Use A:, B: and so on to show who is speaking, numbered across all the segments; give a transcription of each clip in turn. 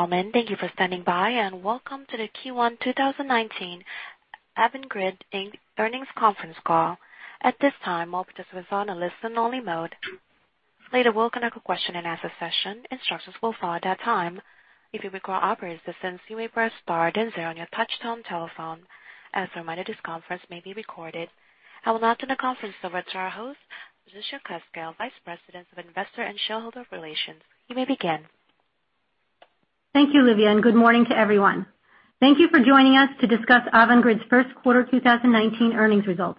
A: Gentlemen, thank you for standing by, welcome to the Q1 2019 Avangrid, Inc. Earnings Conference Call. At this time, all participants are on a listen-only mode. Later, we'll conduct a question-and-answer session. Instructions will follow at that time. If you require operator assistance, you may press star then zero on your touch-tone telephone. As a reminder, this conference may be recorded. I will now turn the conference over to our host, Patricia Cosgel, Vice President of Investor and Shareholder Relations. You may begin.
B: Thank you, Livia, good morning to everyone. Thank you for joining us to discuss Avangrid's first quarter 2019 earnings results.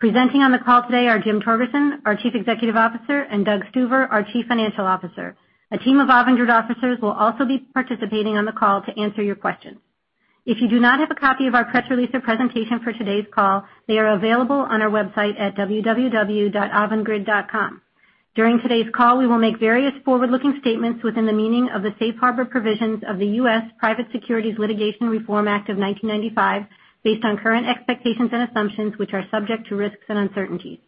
B: Presenting on the call today are Jim Torgerson, our Chief Executive Officer, and Doug Stuver, our Chief Financial Officer. A team of Avangrid officers will also be participating on the call to answer your questions. If you do not have a copy of our press release or presentation for today's call, they are available on our website at www.avangrid.com. During today's call, we will make various forward-looking statements within the meaning of the Safe Harbor Provisions of the U.S. Private Securities Litigation Reform Act of 1995, based on current expectations and assumptions which are subject to risks and uncertainties.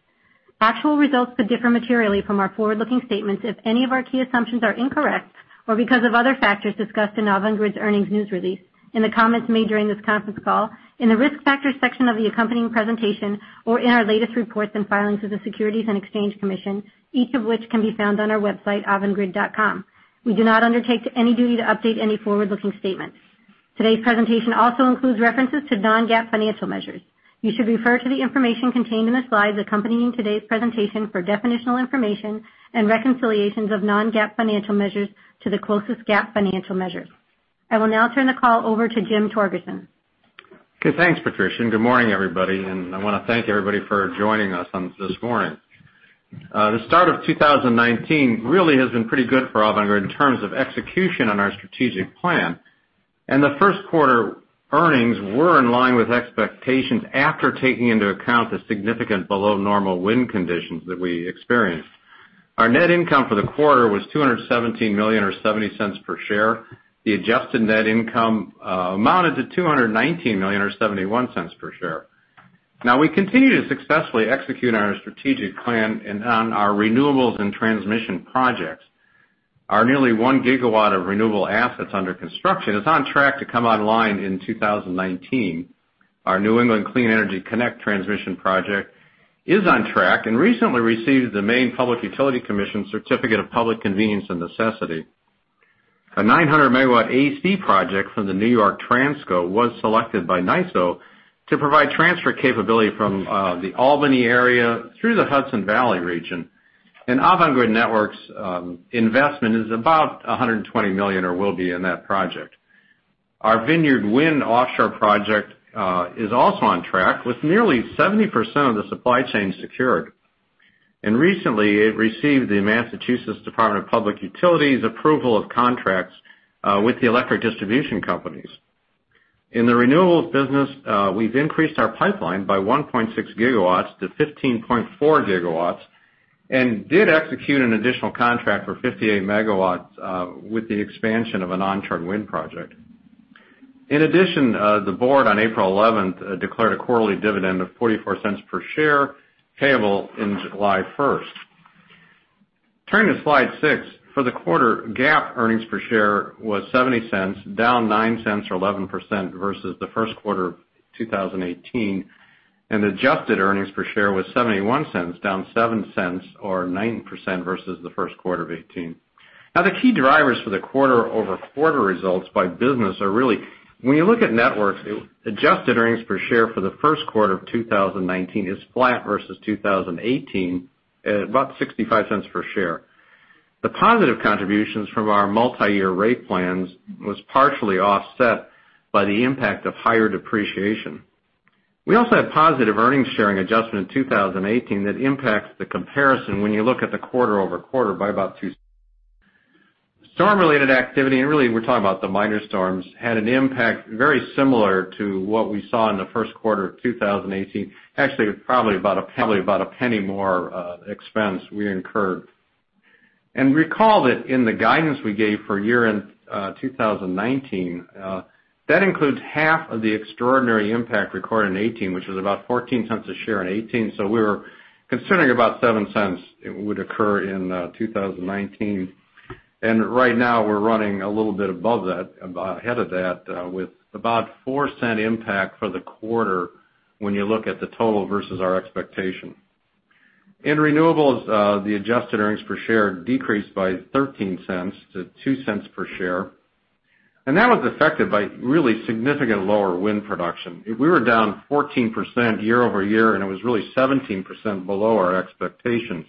B: Actual results could differ materially from our forward-looking statements if any of our key assumptions are incorrect, or because of other factors discussed in Avangrid's earnings news release, in the comments made during this conference call, in the Risk Factors section of the accompanying presentation, or in our latest reports and filings with the Securities and Exchange Commission, each of which can be found on our website, avangrid.com. We do not undertake any duty to update any forward-looking statements. Today's presentation also includes references to non-GAAP financial measures. You should refer to the information contained in the slides accompanying today's presentation for definitional information and reconciliations of non-GAAP financial measures to the closest GAAP financial measures. I will now turn the call over to Jim Torgerson.
C: Okay, thanks, Patricia, good morning, everybody. I want to thank everybody for joining us on this morning. The start of 2019 really has been pretty good for Avangrid in terms of execution on our strategic plan. The first quarter earnings were in line with expectations after taking into account the significant below normal wind conditions that we experienced. Our net income for the quarter was $217 million, or $0.70 per share. The adjusted net income amounted to $219 million, or $0.71 per share. Now, we continue to successfully execute on our strategic plan and on our renewables and transmission projects. Our nearly one gigawatt of renewable assets under construction is on track to come online in 2019. Our New England Clean Energy Connect transmission project is on track and recently received the Maine Public Utilities Commission Certificate of Public Convenience and Necessity. A 900-megawatt AC project from the New York Transco was selected by NYISO to provide transfer capability from the Albany area through the Hudson Valley region. Avangrid Networks' investment is about $120 million, or will be in that project. Our Vineyard Wind offshore project is also on track, with nearly 70% of the supply chain secured. Recently, it received the Massachusetts Department of Public Utilities approval of contracts with the electric distribution companies. In the renewables business, we've increased our pipeline by 1.6 gigawatts to 15.4 gigawatts, and did execute an additional contract for 58 megawatts with the expansion of an onshore wind project. In addition, the board on April 11th declared a quarterly dividend of $0.44 per share, payable in July 1st. Turning to slide six. For the quarter, GAAP earnings per share was $0.70, down $0.09 or 11% versus the first quarter of 2018, and adjusted earnings per share was $0.71, down $0.07 or 9% versus the first quarter of 2018. The key drivers for the quarter-over-quarter results by business are really, when you look at Networks, adjusted earnings per share for the first quarter of 2019 is flat versus 2018, at about $0.65 per share. The positive contributions from our multi-year rate plans was partially offset by the impact of higher depreciation. We also had positive earnings sharing adjustment in 2018 that impacts the comparison when you look at the quarter-over-quarter by about. Storm-related activity, and really, we're talking about the minor storms, had an impact very similar to what we saw in the first quarter of 2018. Actually, probably about a $0.01 more expense we incurred. Recall that in the guidance we gave for year-end 2019, that includes half of the extraordinary impact recorded in 2018, which was about $0.14 a share in 2018. We were considering about $0.07 would occur in 2019. Right now, we're running a little bit above that, ahead of that, with about $0.04 impact for the quarter when you look at the total versus our expectation. In renewables, the adjusted earnings per share decreased by $0.13 to $0.02 per share. That was affected by really significant lower wind production. We were down 14% year-over-year, and it was really 17% below our expectations.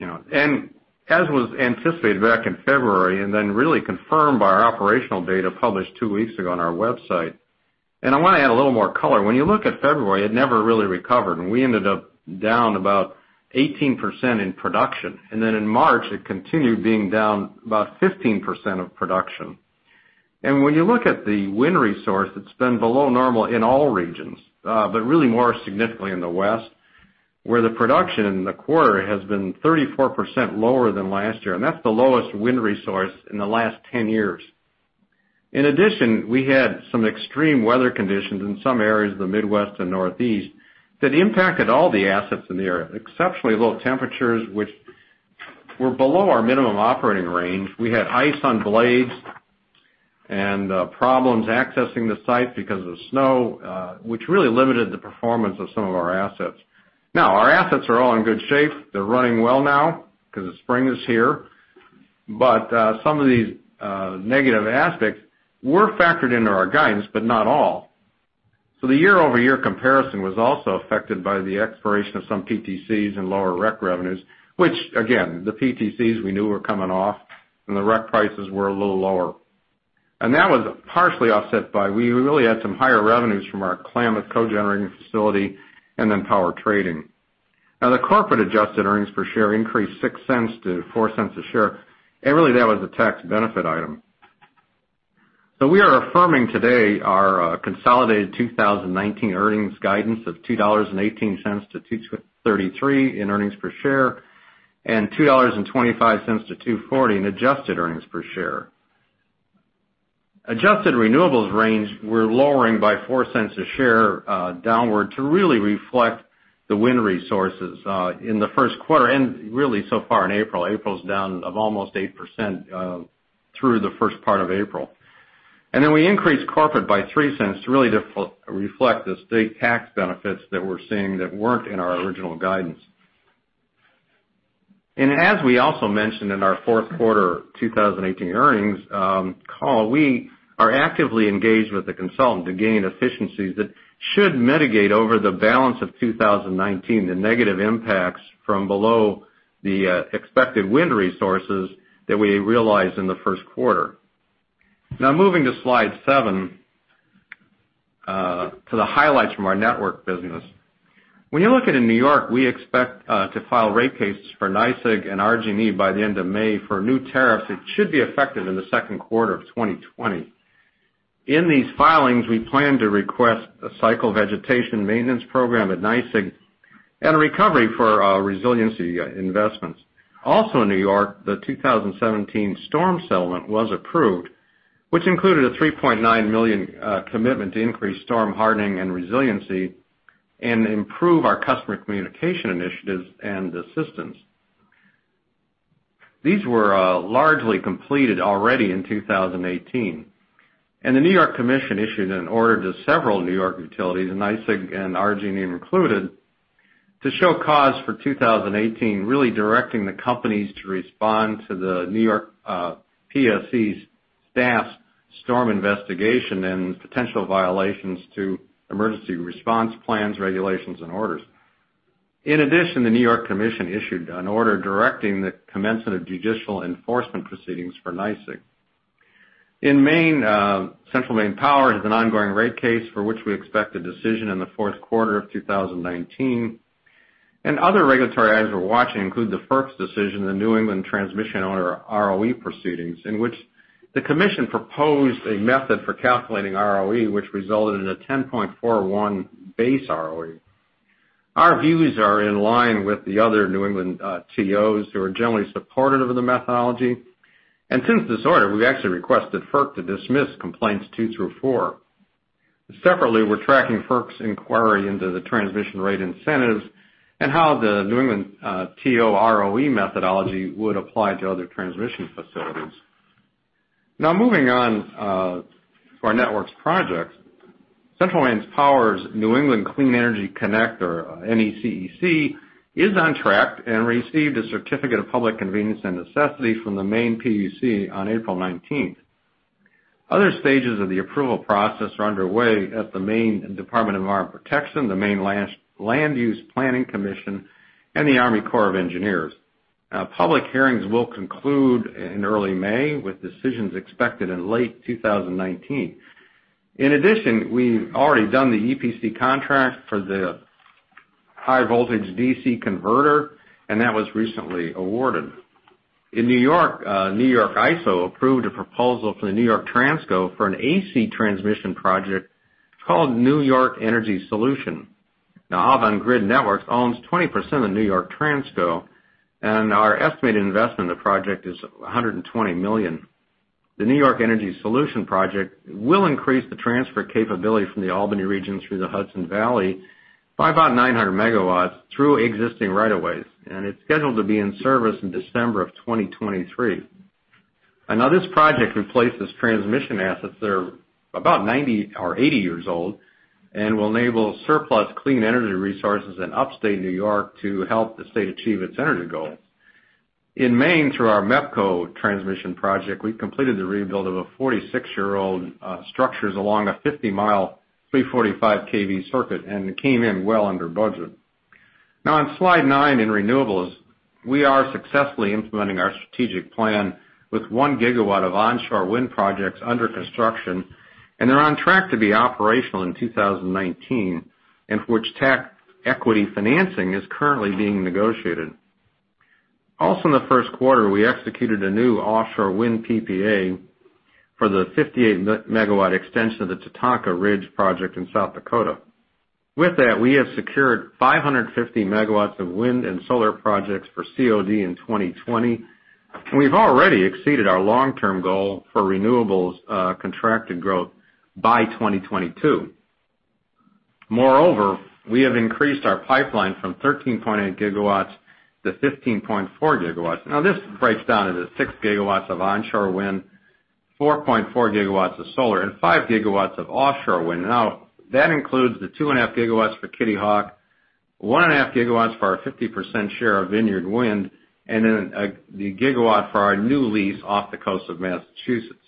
C: As was anticipated back in February, really confirmed by our operational data published two weeks ago on our website. I want to add a little more color. When you look at February, it never really recovered, and we ended up down about 18% in production. In March, it continued being down about 15% of production. When you look at the wind resource, it's been below normal in all regions. Really more significantly in the West, where the production in the quarter has been 34% lower than last year. That's the lowest wind resource in the last 10 years. In addition, we had some extreme weather conditions in some areas of the Midwest and Northeast that impacted all the assets in the area. Exceptionally low temperatures which were below our minimum operating range. We had ice on blades and problems accessing the site because of the snow, which really limited the performance of some of our assets. Our assets are all in good shape. They're running well now because the spring is here. Some of these negative aspects were factored into our guidance, but not all. The year-over-year comparison was also affected by the expiration of some PTCs and lower REC revenues, which again, the PTCs we knew were coming off and the REC prices were a little lower. That was partially offset by, we really had some higher revenues from our Klamath Cogeneration Plant and then power trading. The corporate adjusted EPS increased $0.06 to $0.04 a share, and really that was a tax benefit item. We are affirming today our consolidated 2019 earnings guidance of $2.18-$2.33 in EPS, and $2.25-$2.40 in adjusted EPS. Adjusted renewables range, we're lowering by $0.04 a share downward to really reflect the wind resources in the first quarter, and really so far in April. April's down of almost 8% through the first part of April. We increased corporate by $0.03 to really reflect the state tax benefits that we're seeing that weren't in our original guidance. As we also mentioned in our fourth quarter 2018 earnings call, we are actively engaged with the consultant to gain efficiencies that should mitigate over the balance of 2019, the negative impacts from below the expected wind resources that we realized in the first quarter. Moving to slide seven, to the highlights from our network business. When you look at in New York, we expect to file rate cases for NYSEG and RGE by the end of May for new tariffs that should be effective in the second quarter of 2020. In these filings, we plan to request a cycle vegetation maintenance program at NYSEG and a recovery for resiliency investments. Also in New York, the 2017 storm settlement was approved, which included a $3.9 million commitment to increase storm hardening and resiliency, and improve our customer communication initiatives and assistance. These were largely completed already in 2018, the New York Commission issued an order to several New York utilities, NYSEG and RGE included, to show cause for 2018, really directing the companies to respond to the New York PSC's staff's storm investigation and potential violations to emergency response plans, regulations, and orders. In addition, the New York Commission issued an order directing the commencement of judicial enforcement proceedings for NYSEG. In Maine, Central Maine Power has an ongoing rate case for which we expect a decision in the fourth quarter of 2019. Other regulatory items we're watching include the FERC's decision in the New England Transmission Owner ROE proceedings, in which the commission proposed a method for calculating ROE which resulted in a 10.41 base ROE. Our views are in line with the other New England TOs, who are generally supportive of the methodology. Since this order, we've actually requested FERC to dismiss complaints two through four. Separately, we're tracking FERC's inquiry into the transmission rate incentives and how the New England TO ROE methodology would apply to other transmission facilities. Moving on to our networks projects. Central Maine Power's New England Clean Energy Connector, NECEC, is on track and received a certificate of public convenience and necessity from the Maine PUC on April 19th. Other stages of the approval process are underway at the Maine Department of Environmental Protection, the Maine Land Use Planning Commission, and the United States Army Corps of Engineers. Public hearings will conclude in early May, with decisions expected in late 2019. In addition, we've already done the EPC contract for the high voltage DC converter, and that was recently awarded. In New York, New York ISO approved a proposal for the New York Transco for an AC transmission project called New York Energy Solution. Avangrid Networks owns 20% of New York Transco, and our estimated investment in the project is $120 million. The New York Energy Solution project will increase the transfer capability from the Albany region through the Hudson Valley by about 900 megawatts through existing right of ways. It's scheduled to be in service in December of 2023. This project replaces transmission assets that are about 90 or 80 years old and will enable surplus clean energy resources in upstate New York to help the state achieve its energy goals. In Maine, through our Maine Electric Power Company transmission project, we completed the rebuild of a 46-year-old structures along a 50-mile, 345 kV circuit, and it came in well under budget. On slide nine in renewables, we are successfully implementing our strategic plan with 1 gigawatt of onshore wind projects under construction, and they're on track to be operational in 2019, in which tax equity financing is currently being negotiated. Also in the first quarter, we executed a new offshore wind PPA for the 58-megawatt extension of the Tatanka Ridge project in South Dakota. With that, we have secured 550 megawatts of wind and solar projects for COD in 2020. We've already exceeded our long-term goal for renewables contracted growth by 2022. Moreover, we have increased our pipeline from 13.8 gigawatts to 15.4 gigawatts. This breaks down into 6 gigawatts of onshore wind, 4.4 gigawatts of solar and 5 gigawatts of offshore wind. That includes the two and a half gigawatts for Kitty Hawk, one and a half gigawatts for our 50% share of Vineyard Wind, and then the gigawatt for our new lease off the coast of Massachusetts.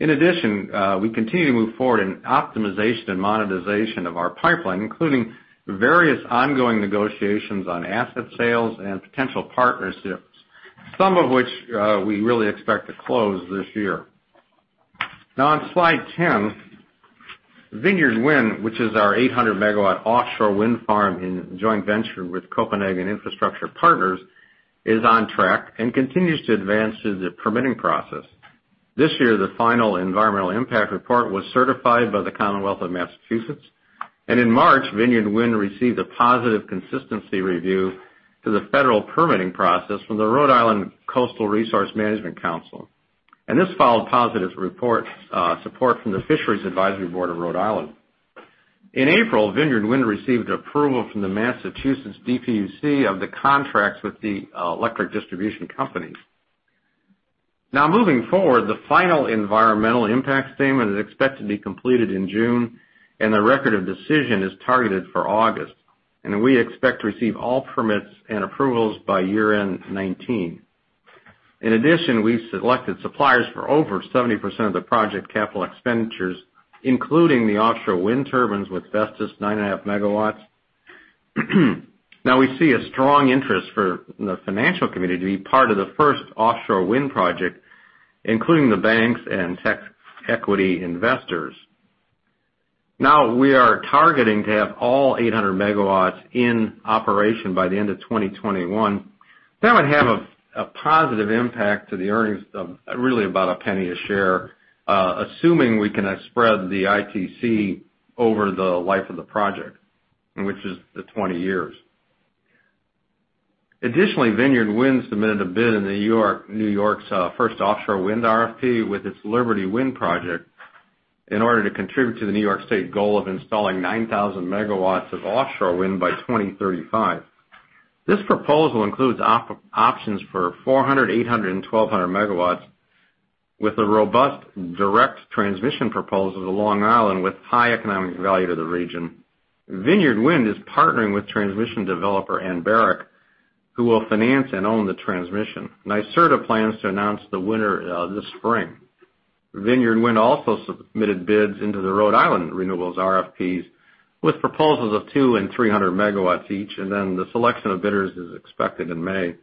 C: In addition, we continue to move forward in optimization and monetization of our pipeline, including various ongoing negotiations on asset sales and potential partnerships, some of which we really expect to close this year. On slide 10, Vineyard Wind, which is our 800-megawatt offshore wind farm in joint venture with Copenhagen Infrastructure Partners, is on track and continues to advance through the permitting process. This year, the final environmental impact report was certified by the Commonwealth of Massachusetts, and in March, Vineyard Wind received a positive consistency review through the federal permitting process from the Rhode Island Coastal Resources Management Council. This followed positive support from the Rhode Island Fishermen's Advisory Board. In April, Vineyard Wind received approval from the Massachusetts DPUC of the contracts with the electric distribution company. Moving forward, the final environmental impact statement is expected to be completed in June, the record of decision is targeted for August, and we expect to receive all permits and approvals by year-end 2019. In addition, we've selected suppliers for over 70% of the project capital expenditures, including the offshore wind turbines with Vestas, 9.5 megawatts. We see a strong interest from the financial community to be part of the first offshore wind project, including the banks and tech equity investors. We are targeting to have all 800 megawatts in operation by the end of 2021. That would have a positive impact to the earnings of really about $0.01 a share, assuming we can spread the ITC over the life of the project, which is the 20 years. Additionally, Vineyard Wind submitted a bid in New York's first offshore wind RFP with its Liberty Wind project in order to contribute to the New York State goal of installing 9,000 megawatts of offshore wind by 2035. This proposal includes options for 400, 800 and 1,200 megawatts with a robust direct transmission proposal to Long Island with high economic value to the region. Vineyard Wind is partnering with transmission developer, Anbaric, who will finance and own the transmission. NYSERDA plans to announce the winner this spring. Vineyard Wind also submitted bids into the Rhode Island renewables RFPs with proposals of 200 and 300 megawatts each, the selection of bidders is expected in May.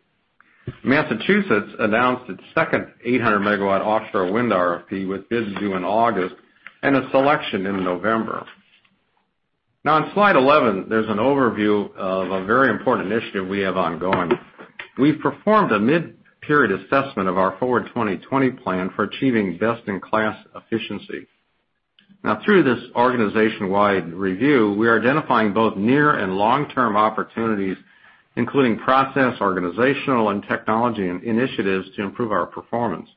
C: Massachusetts announced its second 800-megawatt offshore wind RFP, with bids due in August and a selection in November. On slide 11, there's an overview of a very important initiative we have ongoing. We've performed a mid-period assessment of our Forward 2020 plan for achieving best-in-class efficiency. Through this organization-wide review, we are identifying both near and long-term opportunities, including process, organizational and technology initiatives to improve our performance.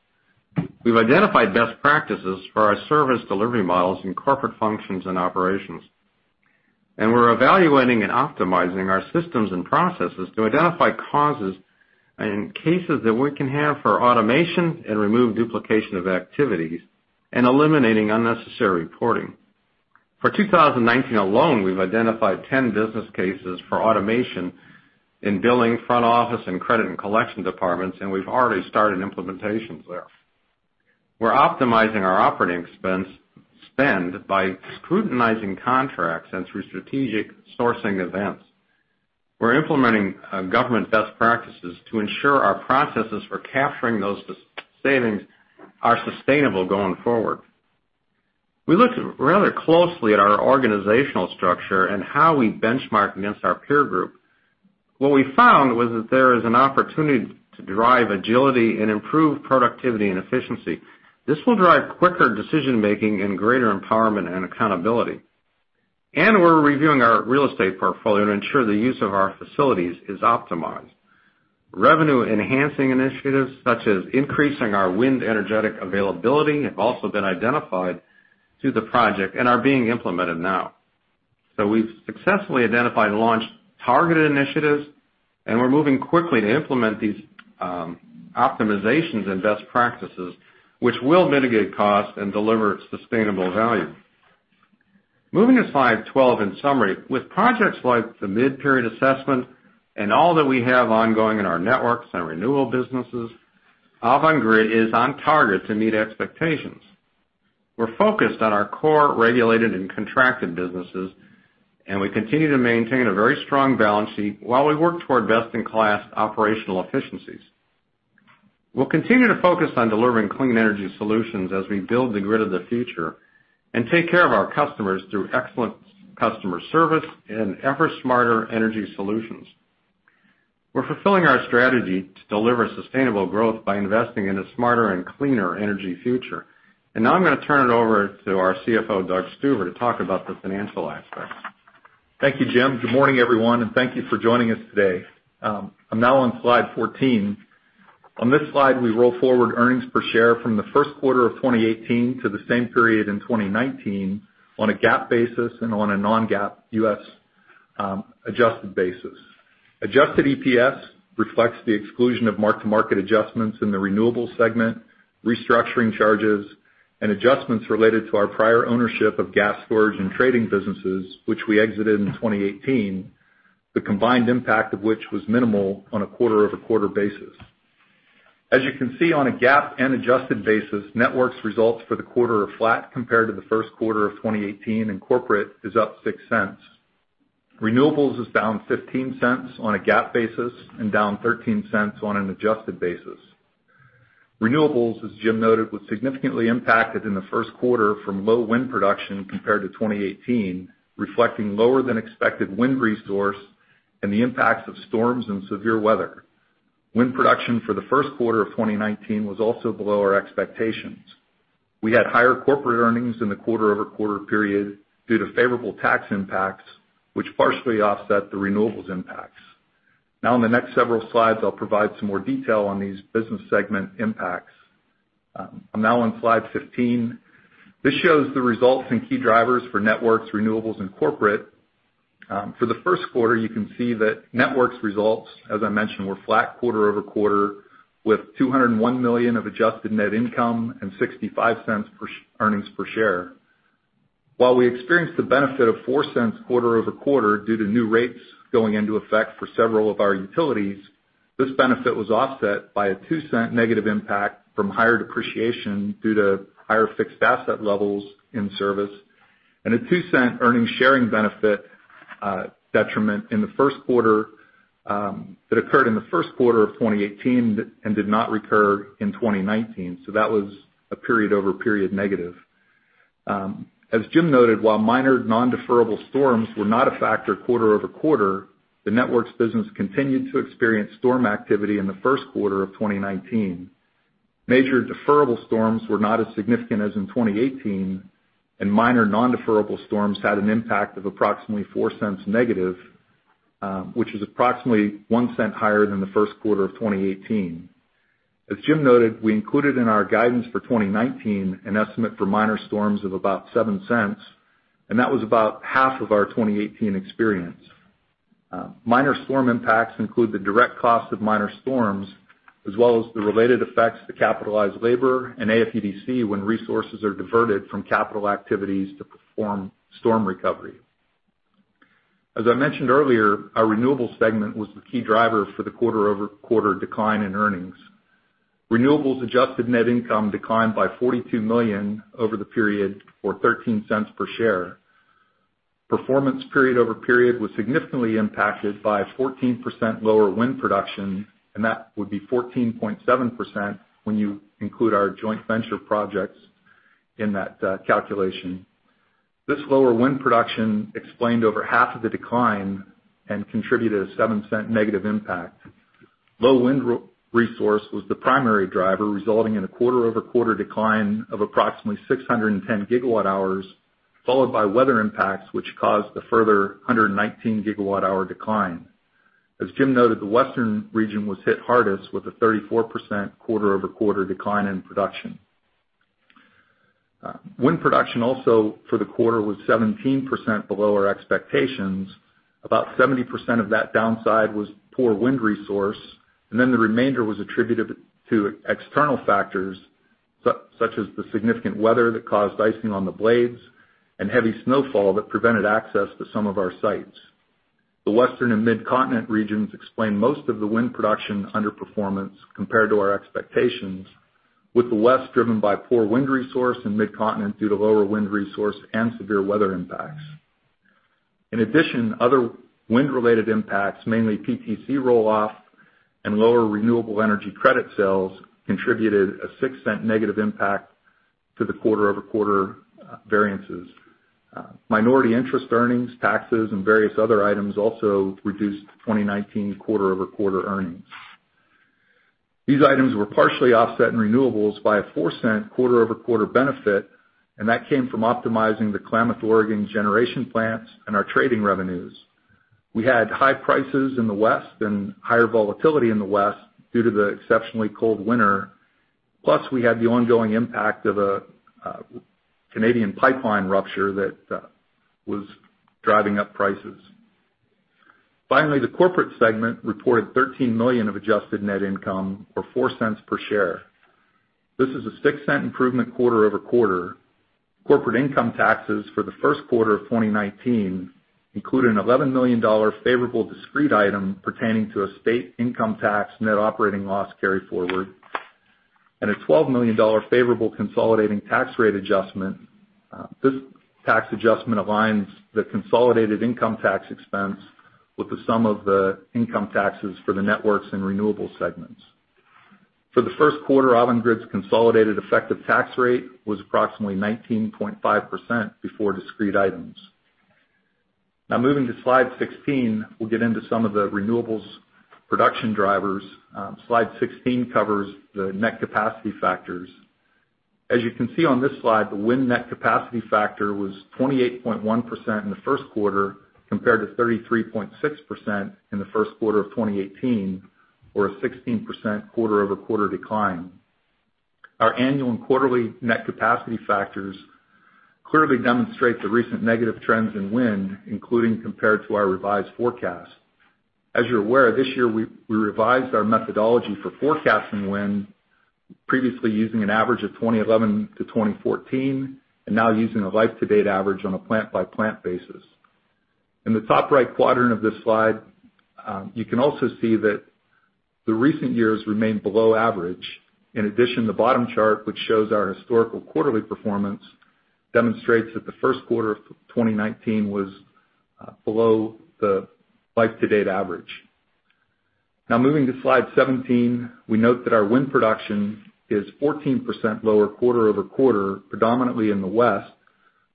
C: We've identified best practices for our service delivery models in corporate functions and operations. We're evaluating and optimizing our systems and processes to identify causes and cases that we can have for automation and remove duplication of activities and eliminating unnecessary reporting. For 2019 alone, we've identified 10 business cases for automation in billing, front office, and credit and collection departments, we've already started implementations there. We're optimizing our operating spend by scrutinizing contracts and through strategic sourcing events. We're implementing government best practices to ensure our processes for capturing those savings are sustainable going forward. We looked rather closely at our organizational structure and how we benchmark against our peer group. What we found was that there is an opportunity to drive agility and improve productivity and efficiency. This will drive quicker decision-making and greater empowerment and accountability. We're reviewing our real estate portfolio to ensure the use of our facilities is optimized. Revenue-enhancing initiatives, such as increasing our wind energetic availability, have also been identified through the project and are being implemented now. We've successfully identified and launched targeted initiatives, we're moving quickly to implement these optimizations and best practices, which will mitigate costs and deliver sustainable value. Moving to slide 12, in summary, with projects like the mid-period assessment and all that we have ongoing in our networks and renewal businesses, Avangrid is on target to meet expectations. We're focused on our core regulated and contracted businesses. We continue to maintain a very strong balance sheet while we work toward best-in-class operational efficiencies. We'll continue to focus on delivering clean energy solutions as we build the grid of the future and take care of our customers through excellent customer service and ever smarter energy solutions. We're fulfilling our strategy to deliver sustainable growth by investing in a smarter and cleaner energy future. Now I'm going to turn it over to our CFO, Doug Stuver, to talk about the financial aspects.
D: Thank you, Jim. Good morning, everyone, and thank you for joining us today. I'm now on slide 14. On this slide, we roll forward earnings per share from the first quarter of 2018 to the same period in 2019 on a GAAP basis and on a non-GAAP U.S. adjusted basis. Adjusted EPS reflects the exclusion of mark-to-market adjustments in the Renewables segment, restructuring charges, and adjustments related to our prior ownership of gas storage and trading businesses, which we exited in 2018, the combined impact of which was minimal on a quarter-over-quarter basis. As you can see on a GAAP and adjusted basis, Networks results for the quarter are flat compared to the first quarter of 2018, and Corporate is up $0.06. Renewables is down $0.15 on a GAAP basis and down $0.13 on an adjusted basis. Renewables, as Jim noted, was significantly impacted in the first quarter from low wind production compared to 2018, reflecting lower than expected wind resource and the impacts of storms and severe weather. Wind production for the first quarter of 2019 was also below our expectations. We had higher Corporate earnings in the quarter-over-quarter period due to favorable tax impacts, which partially offset the Renewables impacts. In the next several slides, I'll provide some more detail on these business segment impacts. I'm now on slide 15. This shows the results and key drivers for Networks, Renewables, and Corporate. For the first quarter, you can see that Networks results, as I mentioned, were flat quarter-over-quarter, with $201 million of adjusted net income and $0.65 earnings per share. While we experienced the benefit of $0.04 quarter-over-quarter due to new rates going into effect for several of our utilities, this benefit was offset by a $0.02 negative impact from higher depreciation due to higher fixed asset levels in service and a $0.02 earning sharing benefit detriment that occurred in the first quarter of 2018 and did not recur in 2019. That was a period-over-period negative. As Jim noted, while minor non-deferrable storms were not a factor quarter-over-quarter, the Networks business continued to experience storm activity in the first quarter of 2019. Major deferrable storms were not as significant as in 2018, and minor non-deferrable storms had an impact of approximately $0.04 negative, which is approximately $0.01 higher than the first quarter of 2018. As Jim noted, we included in our guidance for 2019 an estimate for minor storms of about $0.07, and that was about half of our 2018 experience. Minor storm impacts include the direct cost of minor storms as well as the related effects to capitalized labor and AFUDC when resources are diverted from capital activities to perform storm recovery. As I mentioned earlier, our renewables segment was the key driver for the quarter-over-quarter decline in earnings. Renewables adjusted net income declined by $42 million over the period for $0.13 per share. Performance period over period was significantly impacted by 14% lower wind production, and that would be 14.7% when you include our joint venture projects in that calculation. This lower wind production explained over half of the decline and contributed a $0.07 negative impact. Low wind resource was the primary driver, resulting in a quarter-over-quarter decline of approximately 610 gigawatt hours, followed by weather impacts, which caused a further 119 gigawatt hour decline. As Jim noted, the western region was hit hardest with a 34% quarter-over-quarter decline in production. Wind production also for the quarter was 17% below our expectations. About 70% of that downside was poor wind resource. The remainder was attributed to external factors such as the significant weather that caused icing on the blades and heavy snowfall that prevented access to some of our sites. The Western and Midcontinent regions explain most of the wind production underperformance compared to our expectations, with the West driven by poor wind resource and Midcontinent due to lower wind resource and severe weather impacts. In addition, other wind-related impacts, mainly PTC roll-off and lower Renewable Energy Credit sales, contributed a $0.06 negative impact to the quarter-over-quarter variances. Minority interest earnings, taxes, and various other items also reduced 2019 quarter-over-quarter earnings. These items were partially offset in renewables by a $0.04 quarter-over-quarter benefit, and that came from optimizing the Klamath Cogeneration Plant and our trading revenues. We had high prices in the West and higher volatility in the West due to the exceptionally cold winter. We had the ongoing impact of a Canadian pipeline rupture that was driving up prices. The corporate segment reported $13 million of adjusted net income for $0.04 per share. This is a $0.06 improvement quarter-over-quarter. Corporate income taxes for the first quarter of 2019 include an $11 million favorable discrete item pertaining to a state income tax net operating loss carry-forward and a $12 million favorable consolidating tax rate adjustment. This tax adjustment aligns the consolidated income tax expense with the sum of the income taxes for the networks and renewable segments. For the first quarter, Avangrid's consolidated effective tax rate was approximately 19.5% before discrete items. Moving to slide 16, we'll get into some of the renewables production drivers. Slide 16 covers the net capacity factors. As you can see on this slide, the wind net capacity factor was 28.1% in the first quarter, compared to 33.6% in the first quarter of 2018, or a 16% quarter-over-quarter decline. Our annual and quarterly net capacity factors clearly demonstrate the recent negative trends in wind, including compared to our revised forecast. As you're aware, this year, we revised our methodology for forecasting wind, previously using an average of 2011 to 2014, and now using a life to date average on a plant-by-plant basis. In the top right quadrant of this slide, you can also see that the recent years remain below average. In addition, the bottom chart, which shows our historical quarterly performance, demonstrates that the first quarter of 2019 was below the life to date average. Moving to slide 17, we note that our wind production is 14% lower quarter-over-quarter, predominantly in the West,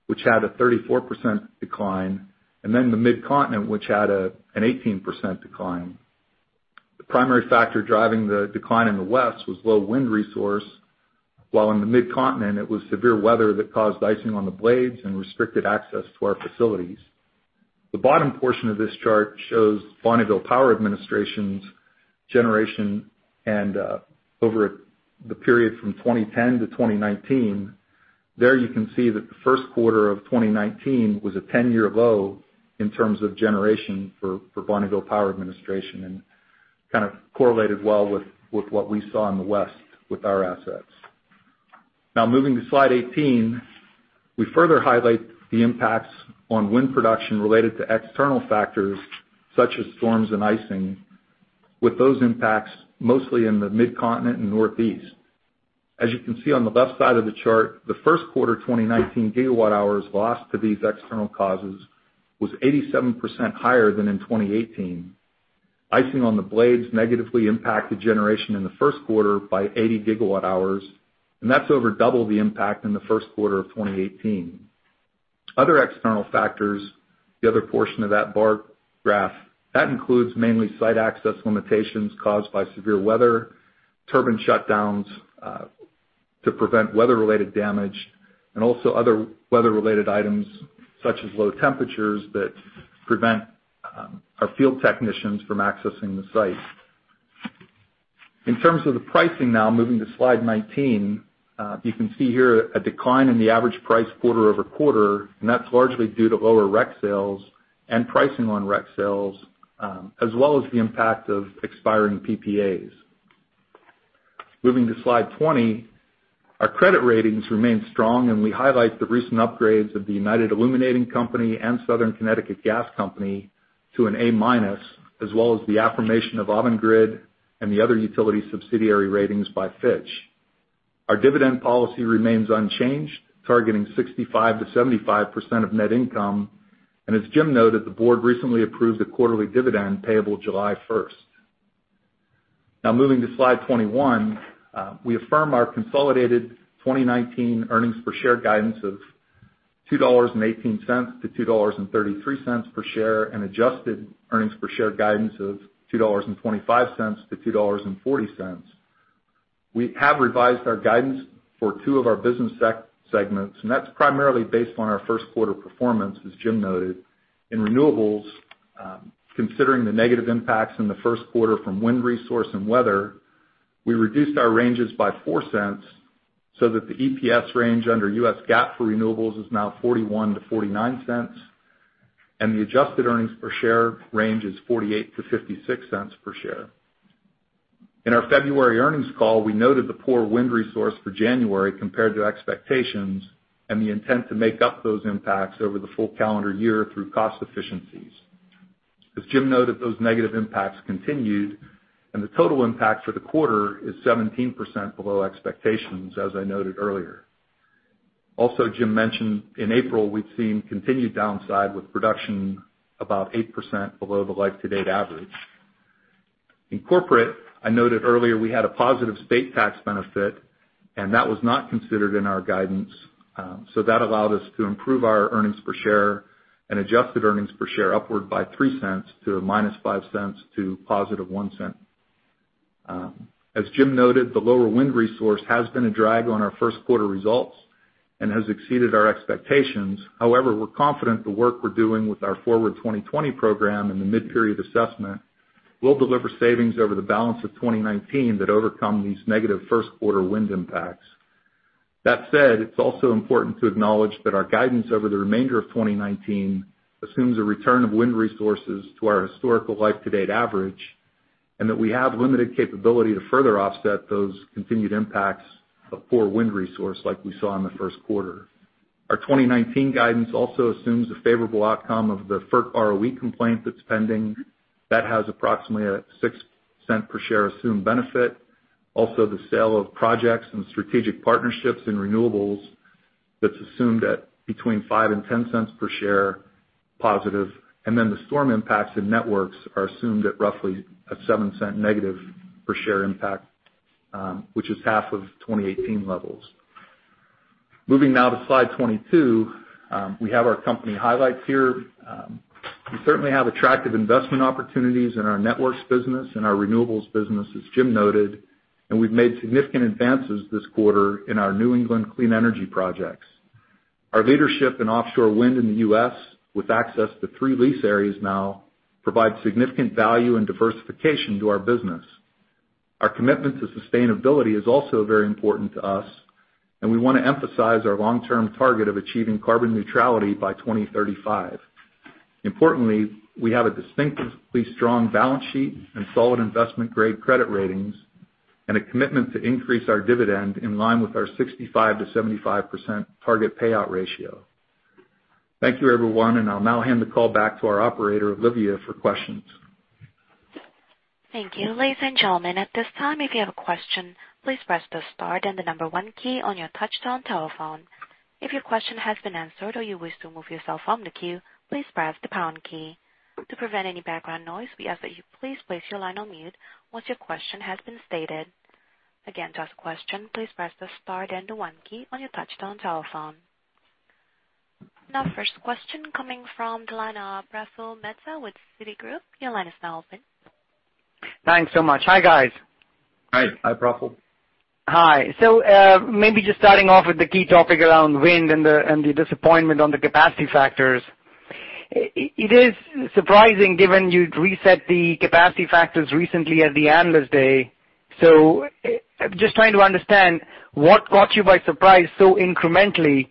D: which had a 34% decline, and the Midcontinent, which had an 18% decline. The primary factor driving the decline in the West was low wind resource, while in the Midcontinent it was severe weather that caused icing on the blades and restricted access to our facilities. The bottom portion of this chart shows Bonneville Power Administration's generation over the period from 2010 to 2019. There you can see that the first quarter of 2019 was a 10-year low in terms of generation for Bonneville Power Administration and kind of correlated well with what we saw in the West with our assets. Moving to slide 18, we further highlight the impacts on wind production related to external factors such as storms and icing, with those impacts mostly in the Midcontinent and Northeast. As you can see on the left side of the chart, the first quarter 2019 gigawatt hours lost to these external causes was 87% higher than in 2018. Icing on the blades negatively impacted generation in the first quarter by 80 gigawatt hours, and that's over double the impact in the first quarter of 2018. Other external factors, the other portion of that bar graph, that includes mainly site access limitations caused by severe weather, turbine shutdowns, to prevent weather-related damage, and also other weather-related items such as low temperatures that prevent our field technicians from accessing the site. In terms of the pricing, moving to slide 19, you can see here a decline in the average price quarter-over-quarter, and that's largely due to lower REC sales and pricing on REC sales, as well as the impact of expiring PPAs. Moving to slide 20, our credit ratings remain strong and we highlight the recent upgrades of the United Illuminating Company and Southern Connecticut Gas Company to an A-minus, as well as the affirmation of Avangrid and the other utility subsidiary ratings by Fitch. Our dividend policy remains unchanged, targeting 65%-75% of net income. As Jim noted, the board recently approved a quarterly dividend payable July 1st. Moving to slide 21, we affirm our consolidated 2019 earnings per share guidance of $2.18-$2.33 per share, and adjusted earnings per share guidance of $2.25-$2.40. We have revised our guidance for two of our business segments, and that's primarily based on our first quarter performance, as Jim noted. In renewables, considering the negative impacts in the first quarter from wind resource and weather, we reduced our ranges by $0.04 so that the EPS range under U.S. GAAP for renewables is now $0.41-$0.49, and the adjusted earnings per share range is $0.48-$0.56 per share. In our February earnings call, we noted the poor wind resource for January compared to expectations and the intent to make up those impacts over the full calendar year through cost efficiencies. As Jim noted, those negative impacts continued and the total impact for the quarter is 17% below expectations, as I noted earlier. Jim mentioned in April we've seen continued downside with production about 8% below the life to date average. In corporate, I noted earlier we had a positive state tax benefit and that was not considered in our guidance, that allowed us to improve our EPS and adjusted EPS upward by $0.03 to a -$0.05 to +$0.01. As Jim noted, the lower wind resource has been a drag on our first quarter results and has exceeded our expectations. We're confident the work we're doing with our Forward 2020 program and the mid-period assessment will deliver savings over the balance of 2019 that overcome these negative first quarter wind impacts. It's also important to acknowledge that our guidance over the remainder of 2019 assumes a return of wind resources to our historical life to date average, and that we have limited capability to further offset those continued impacts of poor wind resource like we saw in the first quarter. Our 2019 guidance also assumes the favorable outcome of the FERC ROE complaint that's pending. That has approximately a $0.06 per share assumed benefit. The sale of projects and strategic partnerships in renewables That's assumed at between $0.05 and $0.10 per share positive, the storm impacts in networks are assumed at roughly a -$0.07 per share impact, which is half of 2018 levels. Moving now to slide 22. We have our company highlights here. We certainly have attractive investment opportunities in our networks business and our renewables business, as Jim noted, we've made significant advances this quarter in our New England Clean Energy Connect. Our leadership in offshore wind in the U.S., with access to 3 lease areas now, provides significant value and diversification to our business. Our commitment to sustainability is also very important to us, we want to emphasize our long-term target of achieving carbon neutrality by 2035. We have a distinctively strong balance sheet and solid investment-grade credit ratings and a commitment to increase our dividend in line with our 65%-75% target payout ratio. Thank you, everyone, I'll now hand the call back to our operator, Livia, for questions.
A: Thank you. Ladies and gentlemen, at this time, if you have a question, please press the star then the number one key on your touch-tone telephone. If your question has been answered or you wish to remove yourself from the queue, please press the pound key. To prevent any background noise, we ask that you please place your line on mute once your question has been stated. Again, to ask a question, please press the star then the one key on your touch-tone telephone. First question coming from the line of Praful Mehta with Citigroup. Your line is now open.
E: Thanks so much. Hi, guys.
C: Hi. Hi, Praful.
E: Hi. Maybe just starting off with the key topic around wind and the disappointment on the capacity factors. It is surprising given you'd reset the capacity factors recently at the Analyst Day. Just trying to understand what caught you by surprise so incrementally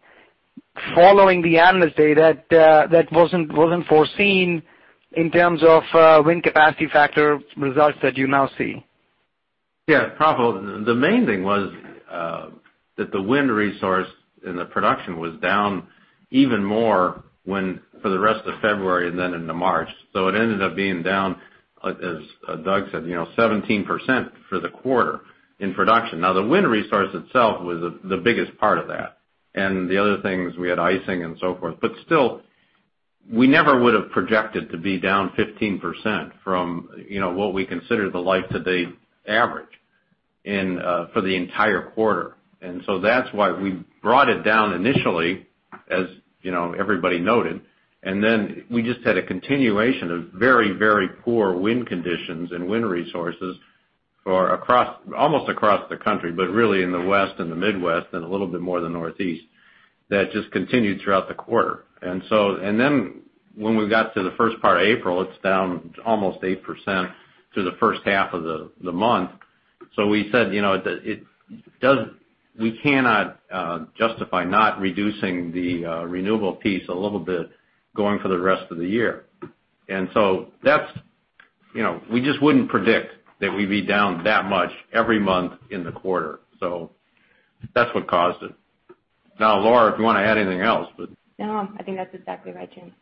E: following the Analyst Day that wasn't foreseen in terms of wind capacity factor results that you now see?
C: Praful, the main thing was that the wind resource and the production was down even more for the rest of February and then into March. It ended up being down, as Doug said, 17% for the quarter in production. The wind resource itself was the biggest part of that. The other thing is we had icing and so forth. Still, we never would have projected to be down 15% from what we consider the life to date average for the entire quarter. That's why we brought it down initially, as everybody noted. We just had a continuation of very poor wind conditions and wind resources almost across the country, but really in the West and the Midwest and a little bit more of the Northeast that just continued throughout the quarter. When we got to the first part of April, it's down almost 8% through the first half of the month. We said we cannot justify not reducing the renewable piece a little bit going for the rest of the year. We just wouldn't predict that we'd be down that much every month in the quarter. That's what caused it. Laura, if you want to add anything else,
F: I think that's exactly right, Jim.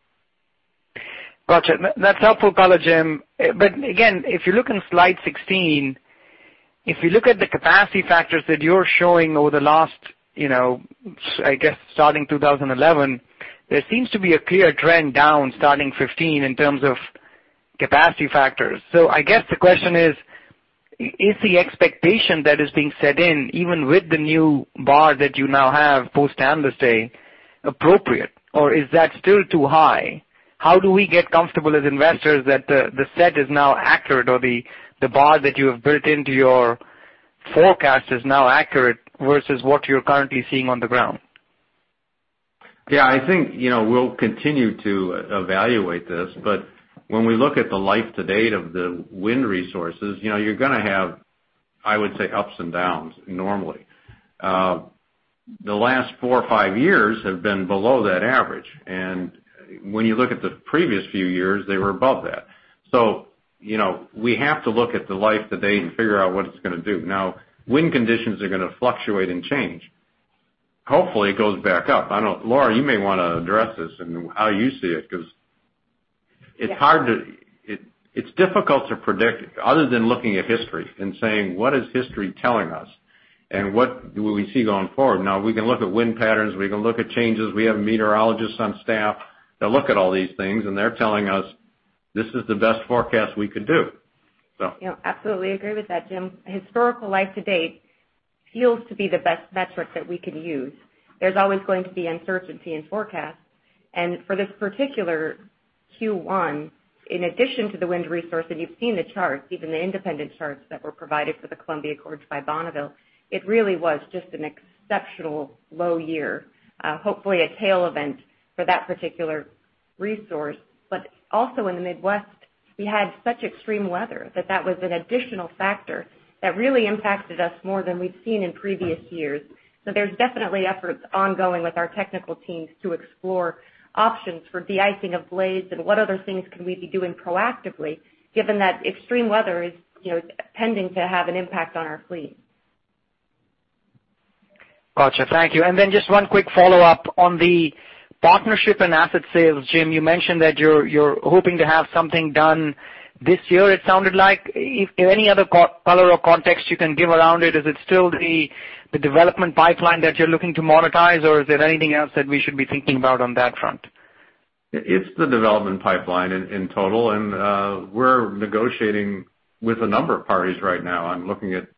E: Got you. That's helpful color, Jim. Again, if you look on slide 16, if you look at the capacity factors that you're showing over the last, I guess, starting 2011, there seems to be a clear trend down starting 2015 in terms of capacity factors. I guess the question is: Is the expectation that is being set in, even with the new bar that you now have post-Analyst Day appropriate, or is that still too high? How do we get comfortable as investors that the set is now accurate or the bar that you have built into your forecast is now accurate versus what you're currently seeing on the ground?
C: Yeah, I think we'll continue to evaluate this. When we look at the life to date of the wind resources, you're going to have, I would say, ups and downs normally. The last 4 or 5 years have been below that average. When you look at the previous few years, they were above that. We have to look at the life to date and figure out what it's going to do. Wind conditions are going to fluctuate and change. Hopefully, it goes back up. I know, Laura, you may want to address this and how you see it because-
F: Yeah
C: it's difficult to predict other than looking at history and saying, what is history telling us? What will we see going forward? We can look at wind patterns. We can look at changes. We have meteorologists on staff that look at all these things, and they're telling us this is the best forecast we could do.
F: Yeah, absolutely agree with that, Jim. Historical life to date feels to be the best metric that we could use. There's always going to be uncertainty in forecasts. For this particular Q1, in addition to the wind resource, and you've seen the charts, even the independent charts that were provided for the Columbia Gorge by Bonneville, it really was just an exceptional low year. Hopefully a tail event for that particular resource. Also in the Midwest, we had such extreme weather that that was an additional factor that really impacted us more than we've seen in previous years. There's definitely efforts ongoing with our technical teams to explore options for de-icing of blades and what other things can we be doing proactively given that extreme weather is tending to have an impact on our fleet.
E: Got you. Thank you. Just one quick follow-up on the partnership and asset sales. Jim, you mentioned that you're hoping to have something done this year, it sounded like. Any other color or context you can give around it? Is it still the development pipeline that you're looking to monetize, or is there anything else that we should be thinking about on that front?
C: It's the development pipeline in total. We're negotiating with a number of parties right now on looking at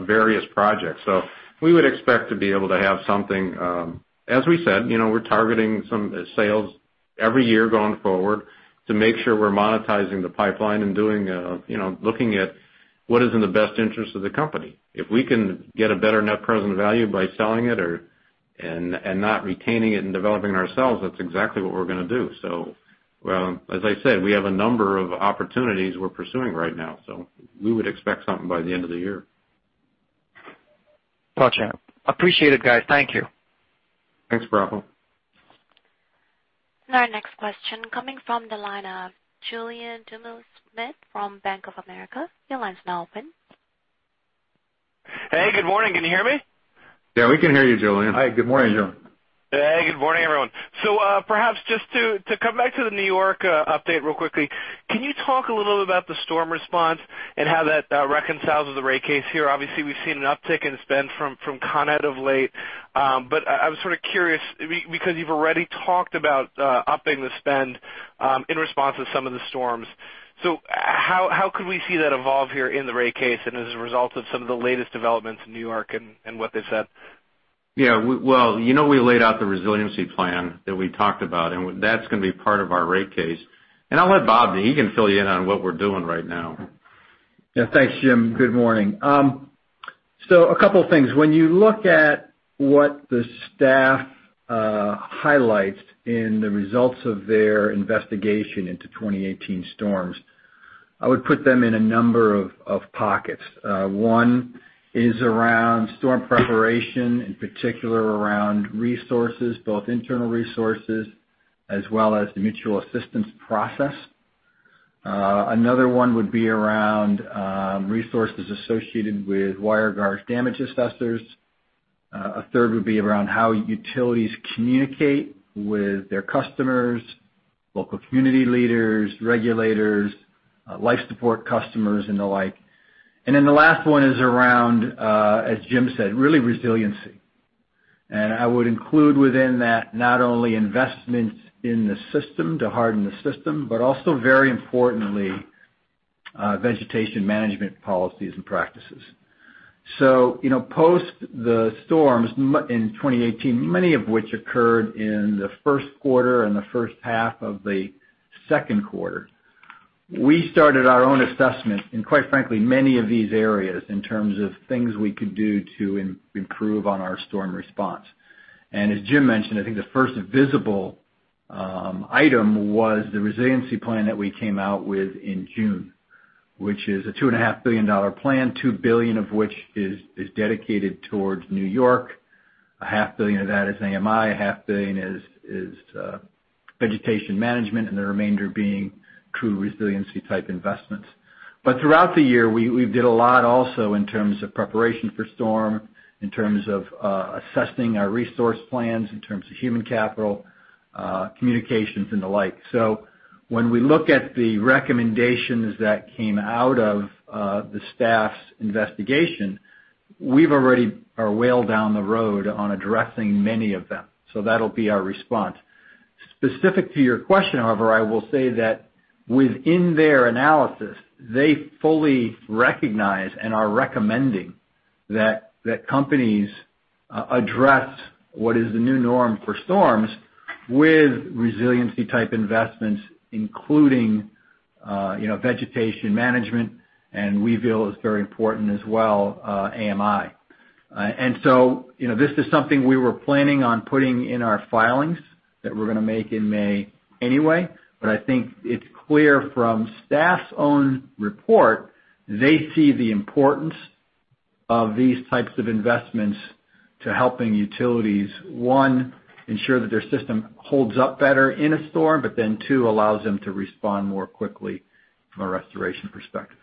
C: various projects. We would expect to be able to have something. As we said, we're targeting some sales every year going forward to make sure we're monetizing the pipeline and looking at what is in the best interest of the company. If we can get a better net present value by selling it and not retaining it and developing ourselves, that's exactly what we're going to do. As I said, we have a number of opportunities we're pursuing right now. We would expect something by the end of the year.
E: Gotcha. Appreciate it, guys. Thank you.
C: Thanks, Praful.
A: Our next question coming from the line of Julien Dumoulin-Smith from Bank of America. Your line's now open.
G: Hey, good morning. Can you hear me?
C: Yeah, we can hear you, Julien.
H: Hi. Good morning, Julien.
G: Hey, good morning, everyone. Perhaps just to come back to the New York update real quickly, can you talk a little bit about the storm response and how that reconciles with the rate case here? Obviously, we've seen an uptick in spend from Consolidated Edison of late. I was sort of curious because you've already talked about upping the spend in response to some of the storms. How could we see that evolve here in the rate case and as a result of some of the latest developments in New York and what they've said?
C: Yeah. You know we laid out the resiliency plan that we talked about, and that's going to be part of our rate case. I'll let Bob, he can fill you in on what we're doing right now.
H: Thanks, Jim. Good morning. A couple things. When you look at what the Staff highlights in the results of their investigation into 2018 storms, I would put them in a number of pockets. One is around storm preparation, in particular around resources, both internal resources as well as the mutual assistance process. Another one would be around resources associated with wire guards damage assessors. A third would be around how utilities communicate with their customers, local community leaders, regulators, life support customers and the like. The last one is around, as Jim said, really resiliency. I would include within that not only investments in the system to harden the system, but also very importantly, vegetation management policies and practices. Post the storms in 2018, many of which occurred in the first quarter and the first half of the second quarter. We started our own assessment in quite frankly, many of these areas in terms of things we could do to improve on our storm response. As Jim mentioned, I think the first visible item was the resiliency plan that we came out with in June, which is a $2.5 billion plan, $2 billion of which is dedicated towards New York. A half billion of that is AMI, a half billion is vegetation management, and the remainder being true resiliency-type investments. Throughout the year, we did a lot also in terms of preparation for storm, in terms of assessing our resource plans, in terms of human capital, communications and the like. When we look at the recommendations that came out of the Staff's investigation, we've already are well down the road on addressing many of them. That'll be our response. Specific to your question, however, I will say that within their analysis, they fully recognize and are recommending that companies address what is the new norm for storms with resiliency-type investments, including vegetation management, and we feel is very important as well, AMI. This is something we were planning on putting in our filings that we're going to make in May anyway, but I think it's clear from Staff's own report, they see the importance of these types of investments to helping utilities, one, ensure that their system holds up better in a storm, but then two, allows them to respond more quickly from a restoration perspective.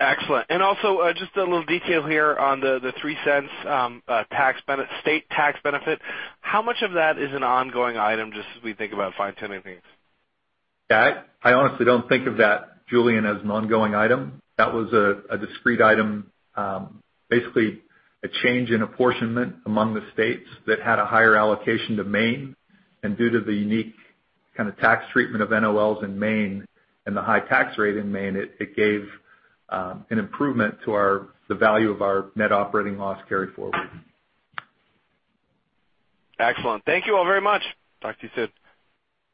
G: Excellent. Also, just a little detail here on the $0.03 state tax benefit. How much of that is an ongoing item just as we think about fine-tuning things?
C: I honestly don't think of that, Julien, as an ongoing item. That was a discrete item. Basically a change in apportionment among the states that had a higher allocation to Maine. Due to the unique kind of tax treatment of NOLs in Maine and the high tax rate in Maine, it gave an improvement to the value of our net operating loss carry-forward.
G: Excellent. Thank you all very much. Talk to you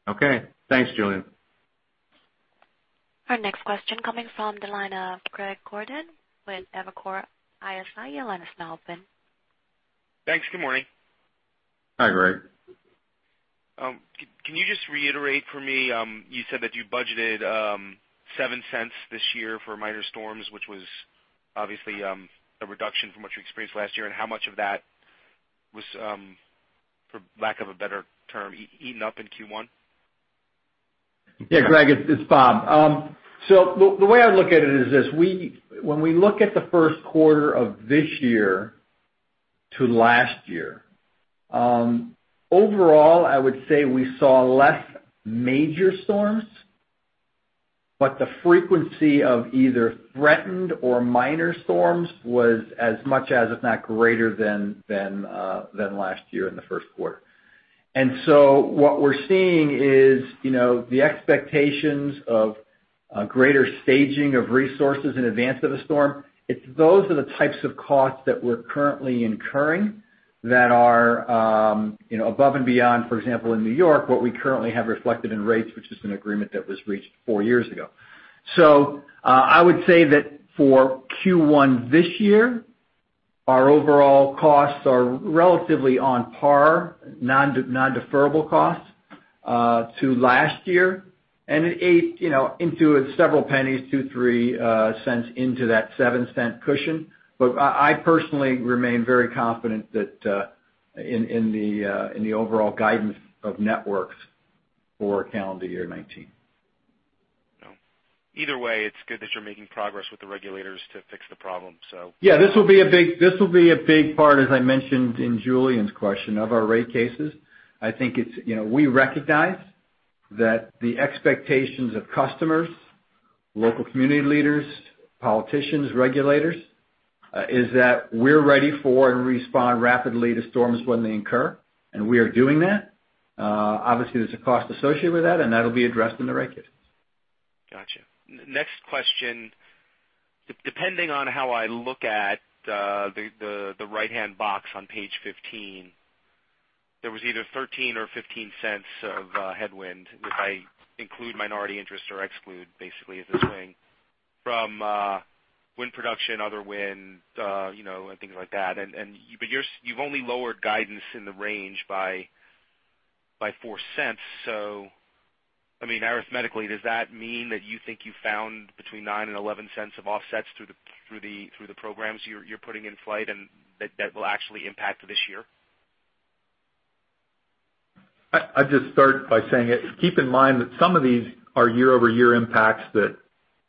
G: soon.
H: Thanks, Julien.
A: Our next question coming from the line of Greg Gordon with Evercore ISI. Your line is now open.
I: Thanks. Good morning.
C: Hi, Greg.
I: Can you just reiterate for me, you said that you budgeted $0.07 this year for minor storms, which was obviously a reduction from what you experienced last year, and how much of that was, for lack of a better term, eaten up in Q1?
H: Yeah, Greg, it's Bob. The way I look at it is this. When we look at the first quarter of this year to last year, overall, I would say we saw less major storms The frequency of either threatened or minor storms was as much as, if not greater than last year in the first quarter. What we're seeing is the expectations of greater staging of resources in advance of a storm. Those are the types of costs that we're currently incurring that are above and beyond, for example, in New York, what we currently have reflected in rates, which is an agreement that was reached four years ago. I would say that for Q1 this year, our overall costs are relatively on par, non-deferrable costs, to last year and into several pennies, $0.02, $0.03 into that $0.07 cushion. I personally remain very confident in the overall guidance of Avangrid Networks for calendar year 2019.
I: Either way, it's good that you're making progress with the regulators to fix the problem.
C: Yeah, this will be a big part, as I mentioned in Julien's question, of our rate cases. We recognize that the expectations of customers, local community leaders, politicians, regulators, is that we're ready for and respond rapidly to storms when they incur, and we are doing that. Obviously, there's a cost associated with that, and that'll be addressed in the rate cases.
I: Got you. Next question. Depending on how I look at the right-hand box on page 15, there was either $0.13 or $0.15 of headwind if I include minority interest or exclude basically the swing from wind production, other wind, and things like that. You've only lowered guidance in the range by $0.04, so arithmetically, does that mean that you think you found between $0.09 and $0.11 of offsets through the programs you're putting in flight and that will actually impact this year?
D: I'd just start by saying, keep in mind that some of these are year-over-year impacts that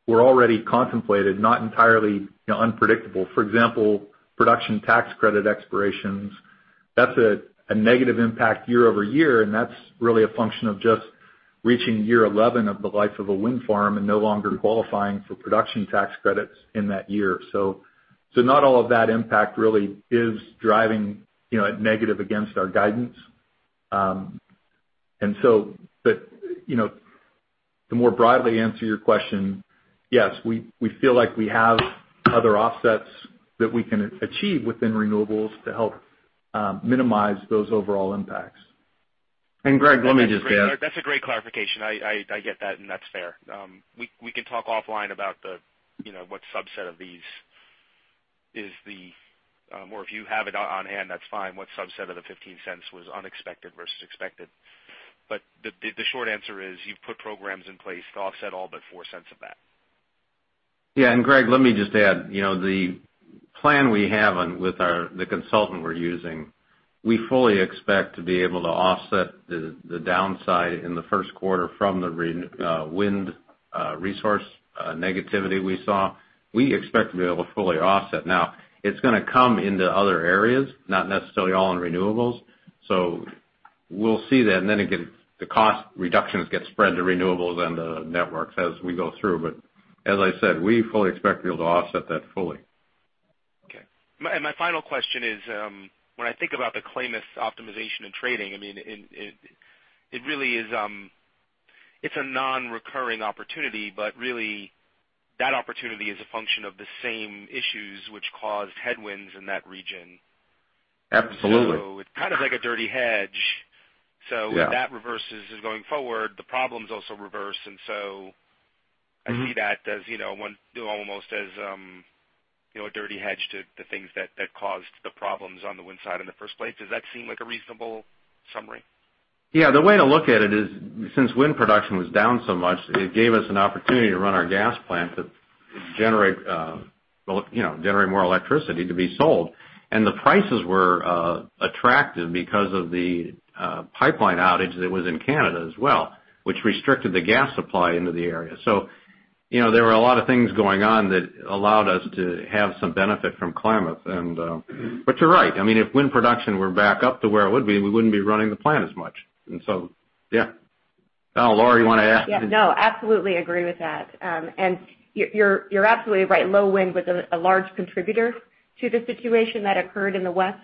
D: were already contemplated, not entirely unpredictable. For example, production tax credit expirations. That's a negative impact year-over-year, and that's really a function of just reaching year 11 of the life of a wind farm and no longer qualifying for production tax credits in that year. Not all of that impact really is driving a negative against our guidance. To more broadly answer your question, yes, we feel like we have other offsets that we can achieve within renewables to help minimize those overall impacts.
C: Greg, let me just add.
I: That's a great clarification. I get that, and that's fair. We can talk offline about what subset of these is the, or if you have it on hand, that's fine, what subset of the $0.15 was unexpected versus expected. The short answer is you've put programs in place to offset all but $0.04 of that.
C: Greg, let me just add, the plan we have with the consultant we're using, we fully expect to be able to offset the downside in the first quarter from the wind resource negativity we saw. We expect to be able to fully offset. It's going to come into other areas, not necessarily all in renewables. We'll see that. Then again, the cost reductions get spread to renewables and the networks as we go through. As I said, we fully expect to be able to offset that fully.
I: Okay. My final question is, when I think about the Klamath optimization and trading, it's a non-recurring opportunity, really that opportunity is a function of the same issues which caused headwinds in that region.
C: Absolutely.
I: It's kind of like a dirty hedge.
C: Yeah. If that reverses going forward, the problems also reverse. I see that almost as a dirty hedge to the things that caused the problems on the wind side in the first place. Does that seem like a reasonable summary? Yeah. The way to look at it is since wind production was down so much, it gave us an opportunity to run our gas plant to generate more electricity to be sold. The prices were attractive because of the pipeline outage that was in Canada as well, which restricted the gas supply into the area. There were a lot of things going on that allowed us to have some benefit from Klamath. You're right. If wind production were back up to where it would be, we wouldn't be running the plant as much. Yeah. Laura, you want to add?
F: Yeah, no, absolutely agree with that. You're absolutely right. Low wind was a large contributor to the situation that occurred in the West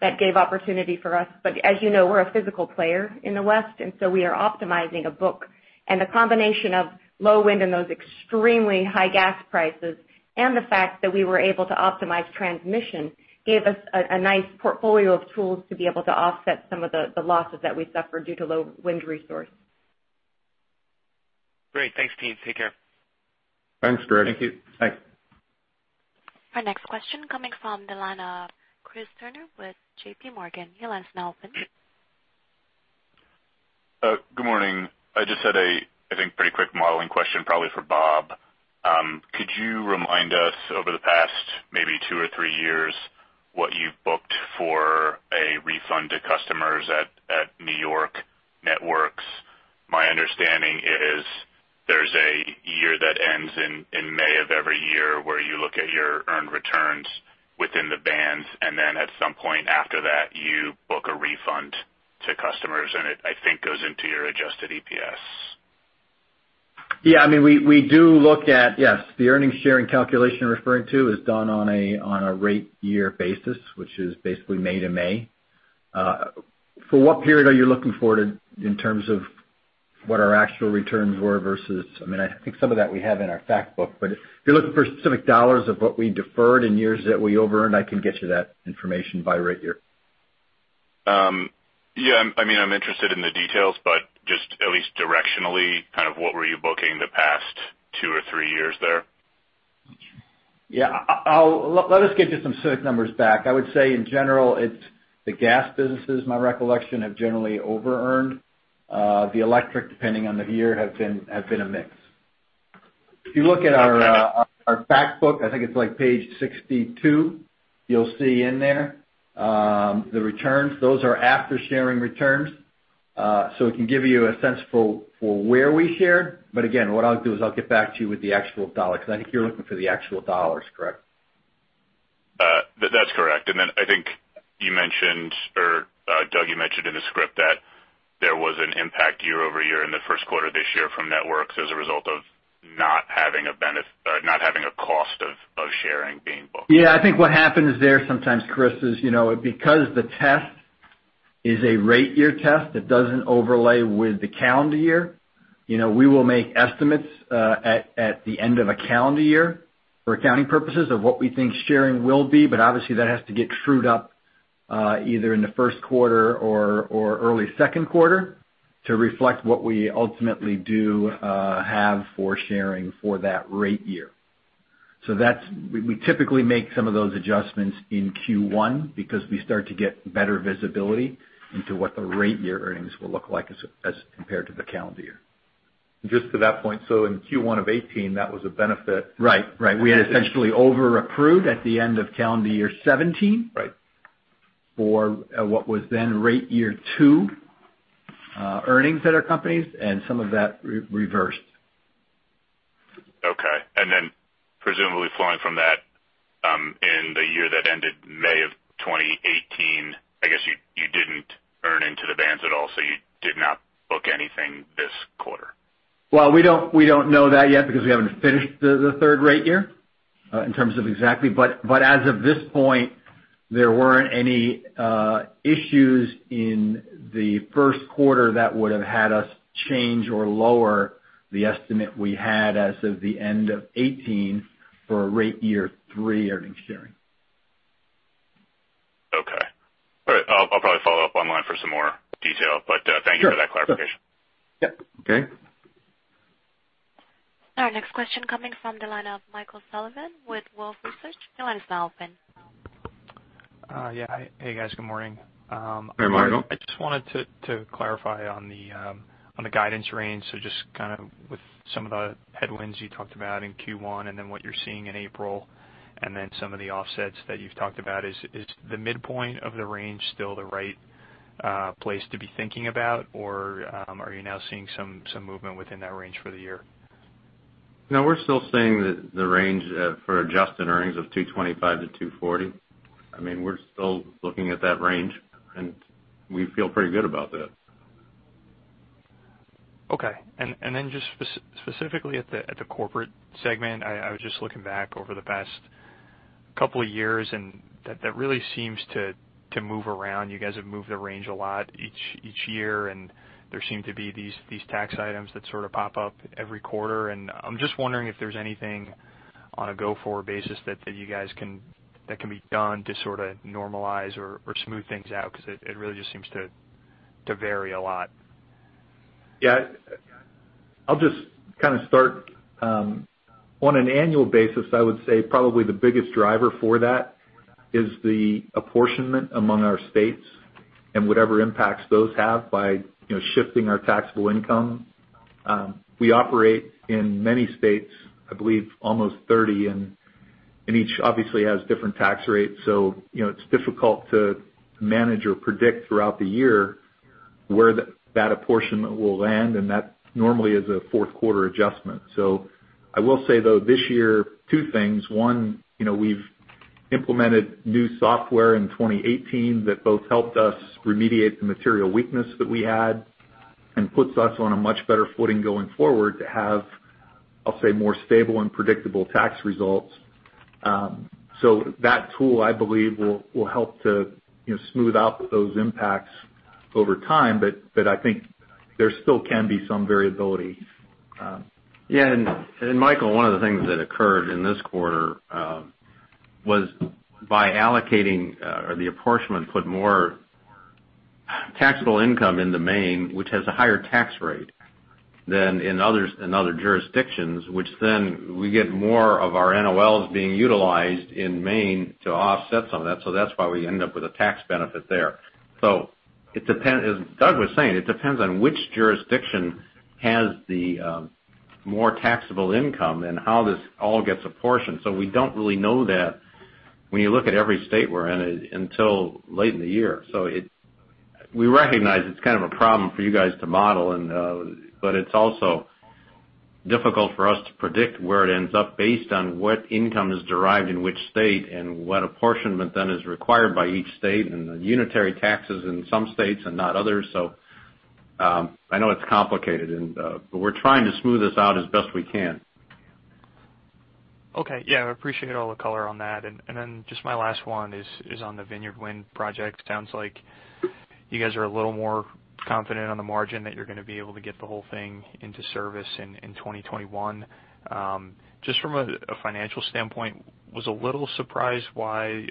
F: that gave opportunity for us. As you know, we're a physical player in the West, and so we are optimizing a book. The combination of low wind and those extremely high gas prices and the fact that we were able to optimize transmission gave us a nice portfolio of tools to be able to offset some of the losses that we suffered due to low wind resource.
I: Great. Thanks, team. Take care.
C: Thanks, Greg. Thank you. Thanks.
A: Our next question coming from the line of Chris Turnure with JPMorgan. Your line is now open.
J: Good morning. I just had a, I think, pretty quick modeling question probably for Bob. Could you remind us over the past maybe two or three years what you've booked for a refund to customers at New York networks? My understanding is there's a year that ends in May of every year where you look at your earned returns within the bands, and then at some point after that, you book a refund to customers, and it, I think, goes into your adjusted EPS.
H: Yes, the earnings sharing calculation you're referring to is done on a rate year basis, which is basically May to May. For what period are you looking for in terms of what our actual returns were versus. I think some of that we have in our fact book, but if you're looking for specific dollars of what we deferred in years that we over-earned, I can get you that information by rate year.
J: Yeah. I'm interested in the details, but just at least directionally, what were you booking the past two or three years there?
H: Yeah. Let us get you some specific numbers back. I would say, in general, it's the gas businesses, my recollection, have generally over-earned. The electric, depending on the year, have been a mix. If you look at our fact book, I think it's page 62, you'll see in there the returns. Those are after-sharing returns. It can give you a sense for where we share. Again, what I'll do is I'll get back to you with the actual dollar, because I think you're looking for the actual dollars, correct?
J: That's correct. Then I think you mentioned, or Doug, you mentioned in the script that there was an impact year-over-year in the first quarter this year from Networks as a result of not having a cost of sharing being booked.
H: Yeah, I think what happens there sometimes, Chris, is, because the test is a rate year test that doesn't overlay with the calendar year, we will make estimates at the end of a calendar year for accounting purposes of what we think sharing will be, obviously that has to get trued up either in the first quarter or early second quarter to reflect what we ultimately do have for sharing for that rate year. We typically make some of those adjustments in Q1 because we start to get better visibility into what the rate year earnings will look like as compared to the calendar year.
D: Just to that point, so in Q1 of 2018, that was a benefit.
H: Right. We had essentially over-accrued at the end of calendar year 2017.
D: Right.
H: For what was then rate year two earnings at our companies, and some of that reversed.
J: Okay. Presumably flowing from that, in the year that ended May of 2018, I guess you didn't earn into the bands at all, so you did not book anything this quarter.
H: Well, we don't know that yet because we haven't finished the third rate year in terms of exactly. But as of this point, there weren't any issues in the first quarter that would've had us change or lower the estimate we had as of the end of 2018 for rate year three earnings sharing.
J: Okay. All right. I'll probably follow up online for some more detail, thank you for that clarification.
H: Sure. Yep.
D: Okay.
A: Our next question coming from the line of Michael Sullivan with Wolfe Research. Your line is now open.
K: Yeah. Hey, guys. Good morning.
C: Hey, Michael.
K: I just wanted to clarify on the guidance range. With some of the headwinds you talked about in Q1 and then what you're seeing in April and then some of the offsets that you've talked about, is the midpoint of the range still the right place to be thinking about? Or are you now seeing some movement within that range for the year?
C: No, we're still seeing the range for adjusted earnings of $2.25-$2.40. We're still looking at that range, and we feel pretty good about that.
K: Okay. Then just specifically at the corporate segment, I was just looking back over the past couple of years, and that really seems to move around. You guys have moved the range a lot each year, and there seem to be these tax items that sort of pop up every quarter. I'm just wondering if there's anything on a go-forward basis that can be done to sort of normalize or smooth things out, because it really just seems to vary a lot.
D: Yeah. I'll just kind of start. On an annual basis, I would say probably the biggest driver for that is the apportionment among our states and whatever impacts those have by shifting our taxable income. We operate in many states, I believe almost 30, and each obviously has different tax rates, so it's difficult to manage or predict throughout the year where that apportionment will land, and that normally is a fourth quarter adjustment. I will say, though, this year, two things. One, we've implemented new software in 2018 that both helped us remediate the material weakness that we had and puts us on a much better footing going forward to have, I'll say, more stable and predictable tax results. That tool, I believe, will help to smooth out those impacts over time. I think there still can be some variability.
C: Yeah. Michael, one of the things that occurred in this quarter was by allocating or the apportionment put more taxable income into Maine, which has a higher tax rate than in other jurisdictions, which then we get more of our NOLs being utilized in Maine to offset some of that. That's why we end up with a tax benefit there. As Doug was saying, it depends on which jurisdiction has the more taxable income and how this all gets apportioned. We don't really know that when you look at every state we're in until late in the year. We recognize it's kind of a problem for you guys to model, but it's also Difficult for us to predict where it ends up based on what income is derived in which state, and what apportionment then is required by each state, and the unitary taxes in some states and not others. I know it's complicated, we're trying to smooth this out as best we can.
K: Okay. Yeah, I appreciate all the color on that. Just my last one is on the Vineyard Wind project. Sounds like you guys are a little more confident on the margin that you're going to be able to get the whole thing into service in 2021. Just from a financial standpoint, was a little surprised why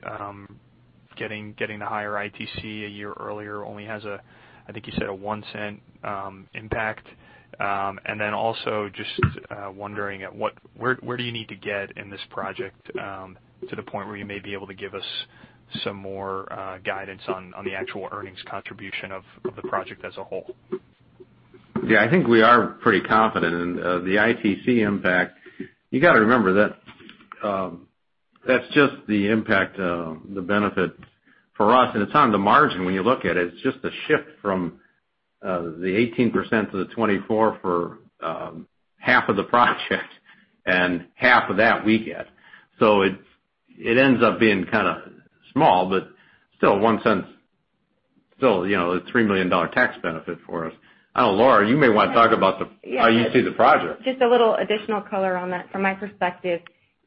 K: getting the higher ITC a year earlier only has a, I think you said a $0.01 impact. Also just wondering, where do you need to get in this project, to the point where you may be able to give us some more guidance on the actual earnings contribution of the project as a whole?
C: Yeah, I think we are pretty confident. The ITC impact, you got to remember that's just the impact of the benefit for us. It's on the margin when you look at it. It's just a shift from the 18% to the 24% for half of the project and half of that we get. It ends up being kind of small, but still $0.01. Still a $3 million tax benefit for us. I know, Laura, you may want to talk about how you see the project.
F: Just a little additional color on that from my perspective.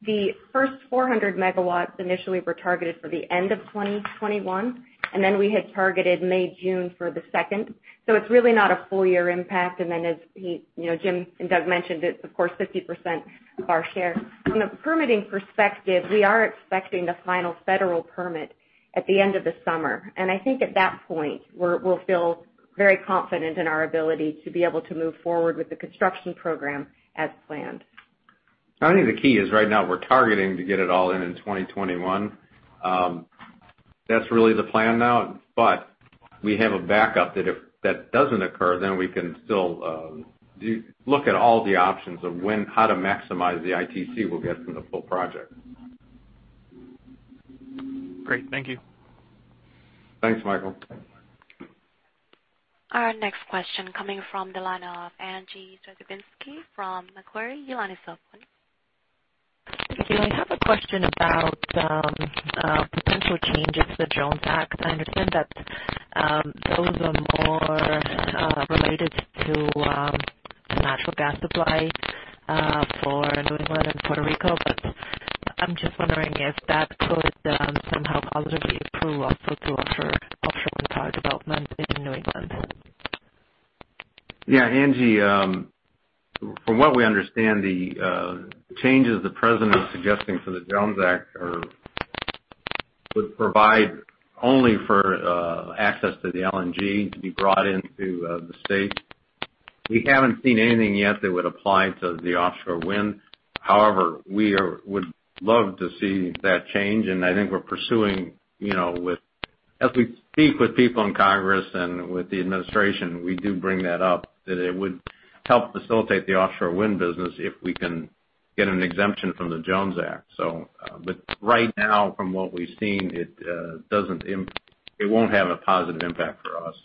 F: The first 400 megawatts initially were targeted for the end of 2021, then we had targeted May, June for the second. It's really not a full year impact. As Jim and Doug mentioned, it's of course 50% our share. From a permitting perspective, we are expecting the final federal permit at the end of the summer. I think at that point, we'll feel very confident in our ability to be able to move forward with the construction program as planned.
C: I think the key is right now we're targeting to get it all in in 2021. That's really the plan now. We have a backup that if that doesn't occur, then we can still look at all the options of how to maximize the ITC we'll get from the full project.
K: Great. Thank you.
C: Thanks, Michael.
A: Our next question coming from the line of Angie Storozynski from Macquarie. Your line is open.
L: Thank you. I have a question about potential changes to the Jones Act. I understand that those are more related to natural gas supply for New England and Puerto Rico, but I'm just wondering if that could somehow positively improve also to offshore wind power development in New England.
C: Yeah, Angie, from what we understand, the changes the president is suggesting for the Jones Act would provide only for access to the LNG to be brought into the state. We haven't seen anything yet that would apply to the offshore wind. We would love to see that change, and I think we're pursuing. As we speak with people in Congress and with the administration, we do bring that up, that it would help facilitate the offshore wind business if we can get an exemption from the Jones Act. Right now, from what we've seen, it won't have a positive impact for us.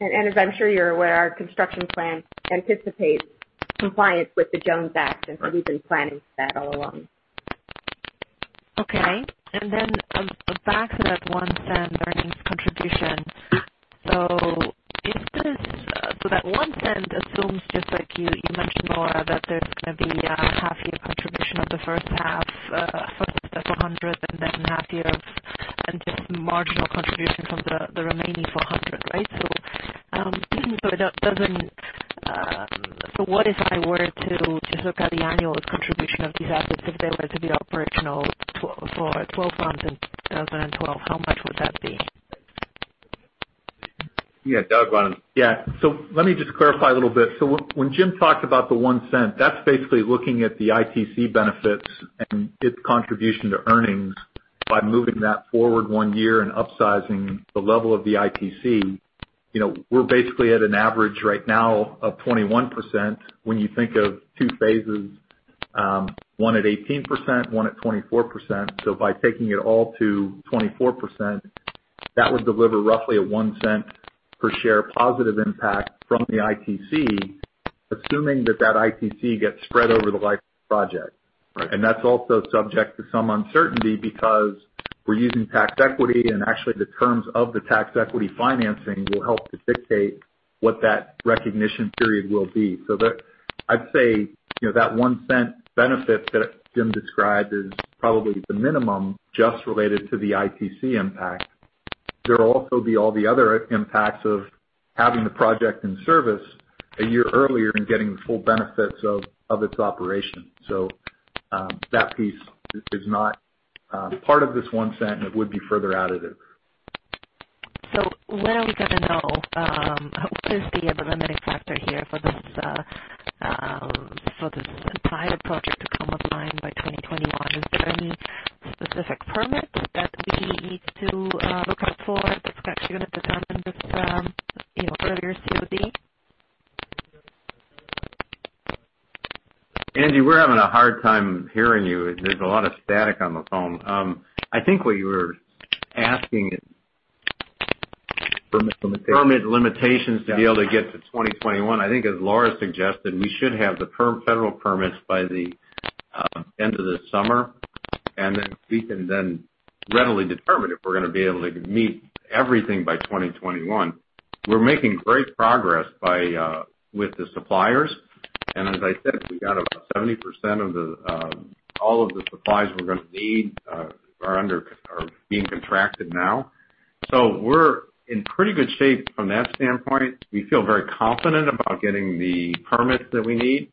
F: As I'm sure you're aware, our construction plan anticipates compliance with the Jones Act. We've been planning for that all along.
L: Okay. Back to that $0.01 earnings contribution. That $0.01 assumes, just like you mentioned, Laura, that there's going to be a half year contribution of the first 400, and then half year of just marginal contribution from the remaining 400, right? What if I were to just look at the annual contribution of these assets, if they were to be operational for 12 months in 2012, how much would that be?
C: Yeah, Doug, why don't-
D: Let me just clarify a little bit. When Jim talked about the $0.01, that's basically looking at the ITC benefits and its contribution to earnings by moving that forward one year and upsizing the level of the ITC. We're basically at an average right now of 21% when you think of two phases, one at 18%, one at 24%. By taking it all to 24%, that would deliver roughly a $0.01 per share positive impact from the ITC, assuming that that ITC gets spread over the life of the project.
C: Right.
D: That's also subject to some uncertainty because we're using tax equity and actually the terms of the tax equity financing will help to dictate what that recognition period will be. I'd say that $0.01 benefit that Jim described is probably the minimum just related to the ITC impact. There'll also be all the other impacts of having the project in service one year earlier and getting the full benefits of its operation. That piece is not part of this $0.01 and it would be further additive.
L: When are we going to know? What is the limiting factor here for this entire project to come online by 2021? Is there any specific permits that we need to look out for that's got you going to determine this earlier COD?
C: Angie, we're having a hard time hearing you. There's a lot of static on the phone. I think what you were asking Permit limitations to be able to get to 2021. I think as Laura suggested, we should have the federal permits by the end of this summer. Then we can readily determine if we're going to be able to meet everything by 2021. We're making great progress with the suppliers. As I said, we got about 70% of all of the supplies we're going to need are being contracted now. We're in pretty good shape from that standpoint. We feel very confident about getting the permits that we need.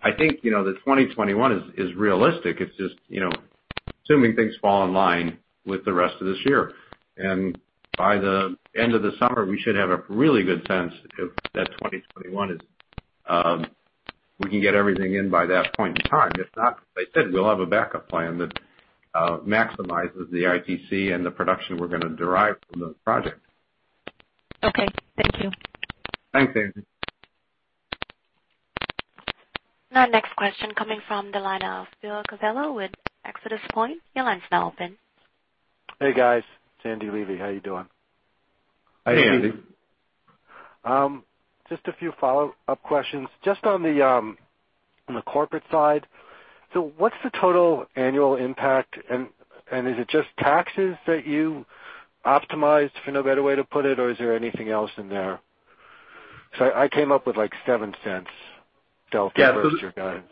C: I think the 2021 is realistic. It's just assuming things fall in line with the rest of this year. By the end of the summer, we should have a really good sense if that 2021 is. We can get everything in by that point in time. If not, as I said, we'll have a backup plan that maximizes the ITC and the production we're going to derive from the project.
L: Okay. Thank you.
C: Thanks, Angie.
A: Our next question coming from the line of Andy Levi with ExodusPoint. Your line's now open.
M: Hey, guys. It's Andy Levi. How you doing?
C: Hey, Andy.
M: Just a few follow-up questions. Just on the corporate side, what's the total annual impact and is it just taxes that you optimized, for no better way to put it, or is there anything else in there? I came up with, like, $0.07 delta versus your guidance.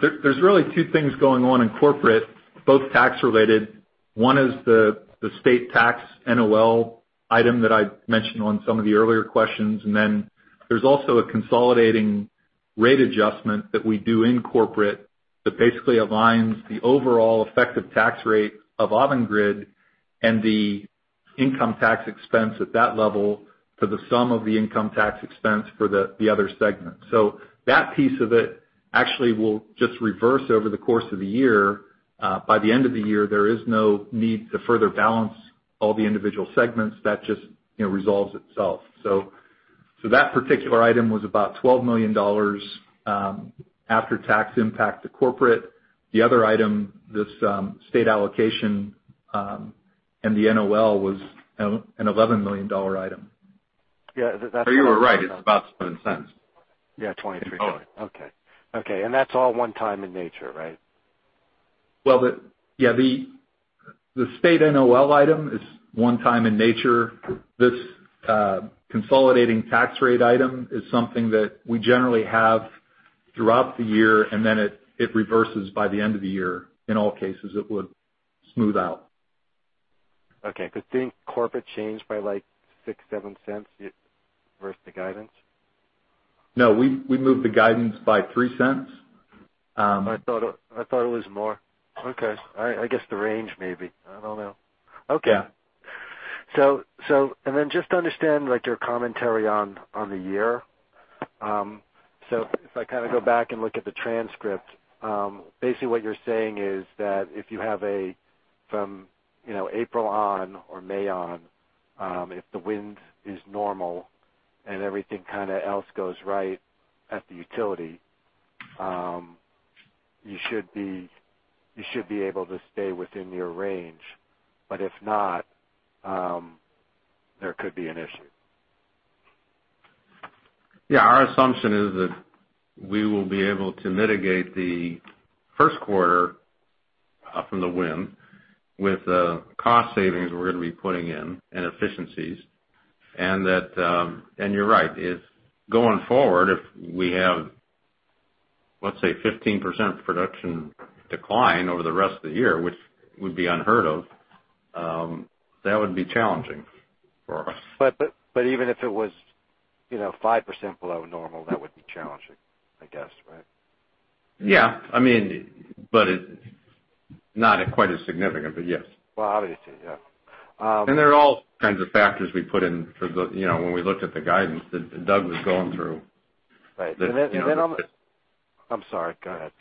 D: There's really two things going on in corporate, both tax related. One is the state tax NOL item that I mentioned on some of the earlier questions, and then there's also a consolidating rate adjustment that we do in corporate that basically aligns the overall effective tax rate of Avangrid and the income tax expense at that level to the sum of the income tax expense for the other segment. That piece of it actually will just reverse over the course of the year. By the end of the year, there is no need to further balance all the individual segments. That just resolves itself. That particular item was about $12 million after-tax impact to corporate. The other item, this state allocation, and the NOL was an $11 million item. Yeah. You were right. It's about $0.07. 23. You're close.
M: Okay. That's all one-time in nature, right?
D: Well, yeah. The state NOL item is one-time in nature. This consolidating tax rate item is something that we generally have throughout the year, and then it reverses by the end of the year. In all cases, it would smooth out.
M: Okay, didn't corporate change by, like, $0.06, $0.07 versus the guidance?
D: No, we moved the guidance by $0.03.
M: I thought it was more. Okay. I guess the range maybe. I don't know. Okay.
D: Yeah.
M: Then just to understand your commentary on the year. If I go back and look at the transcript, basically what you're saying is that if you have a, from April on or May on, if the wind is normal and everything else goes right at the utility, you should be able to stay within your range. If not, there could be an issue.
C: Yeah. Our assumption is that we will be able to mitigate the first quarter from the wind with cost savings we're going to be putting in and efficiencies. You're right. Going forward, if we have, let's say, 15% production decline over the rest of the year, which would be unheard of, that would be challenging for us.
M: Even if it was 5% below normal, that would be challenging, I guess, right?
C: Yeah. Not quite as significant, but yes.
M: Well, obviously, yeah.
C: There are all kinds of factors we put in when we looked at the guidance that Doug was going through. Right. I'm sorry, go ahead.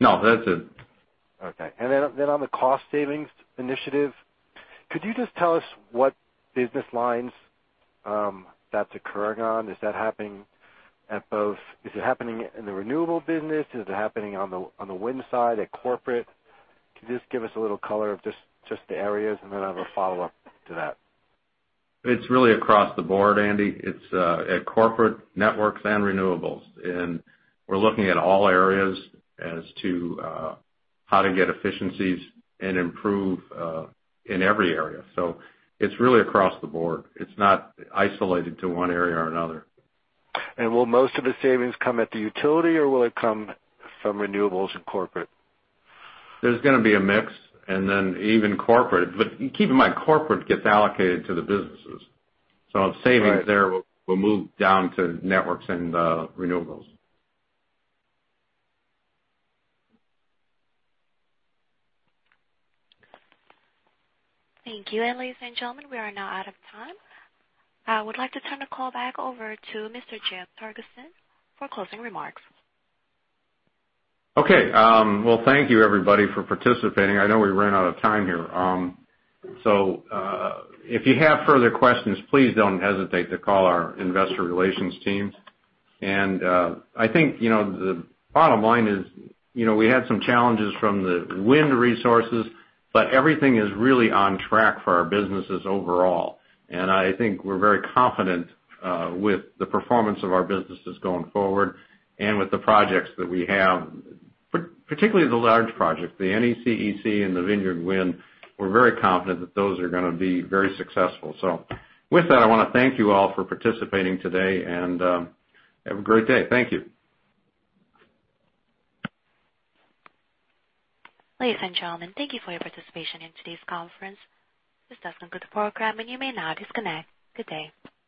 C: No, that's it.
M: Okay. On the cost savings initiative, could you just tell us what business lines that's occurring on? Is it happening in the renewable business? Is it happening on the wind side, at corporate? Could you just give us a little color of just the areas, then I have a follow-up to that.
C: It's really across the board, Andy. It's at corporate networks and renewables, we're looking at all areas as to how to get efficiencies and improve in every area. It's really across the board. It's not isolated to one area or another.
M: Will most of the savings come at the utility, or will it come from renewables and corporate?
C: There's going to be a mix, even corporate. Keep in mind, corporate gets allocated to the businesses. Savings there Right will move down to networks and renewables.
A: Thank you. Ladies and gentlemen, we are now out of time. I would like to turn the call back over to Mr. Jim Torgerson for closing remarks.
C: Well, thank you everybody for participating. I know we ran out of time here. If you have further questions, please don't hesitate to call our investor relations team. I think the bottom line is we had some challenges from the wind resources, but everything is really on track for our businesses overall. I think we're very confident with the performance of our businesses going forward and with the projects that we have, particularly the large projects, the NECEC and the Vineyard Wind. We're very confident that those are going to be very successful. With that, I want to thank you all for participating today, and have a great day. Thank you.
A: Ladies and gentlemen, thank you for your participation in today's conference. This does conclude the program, and you may now disconnect. Good day.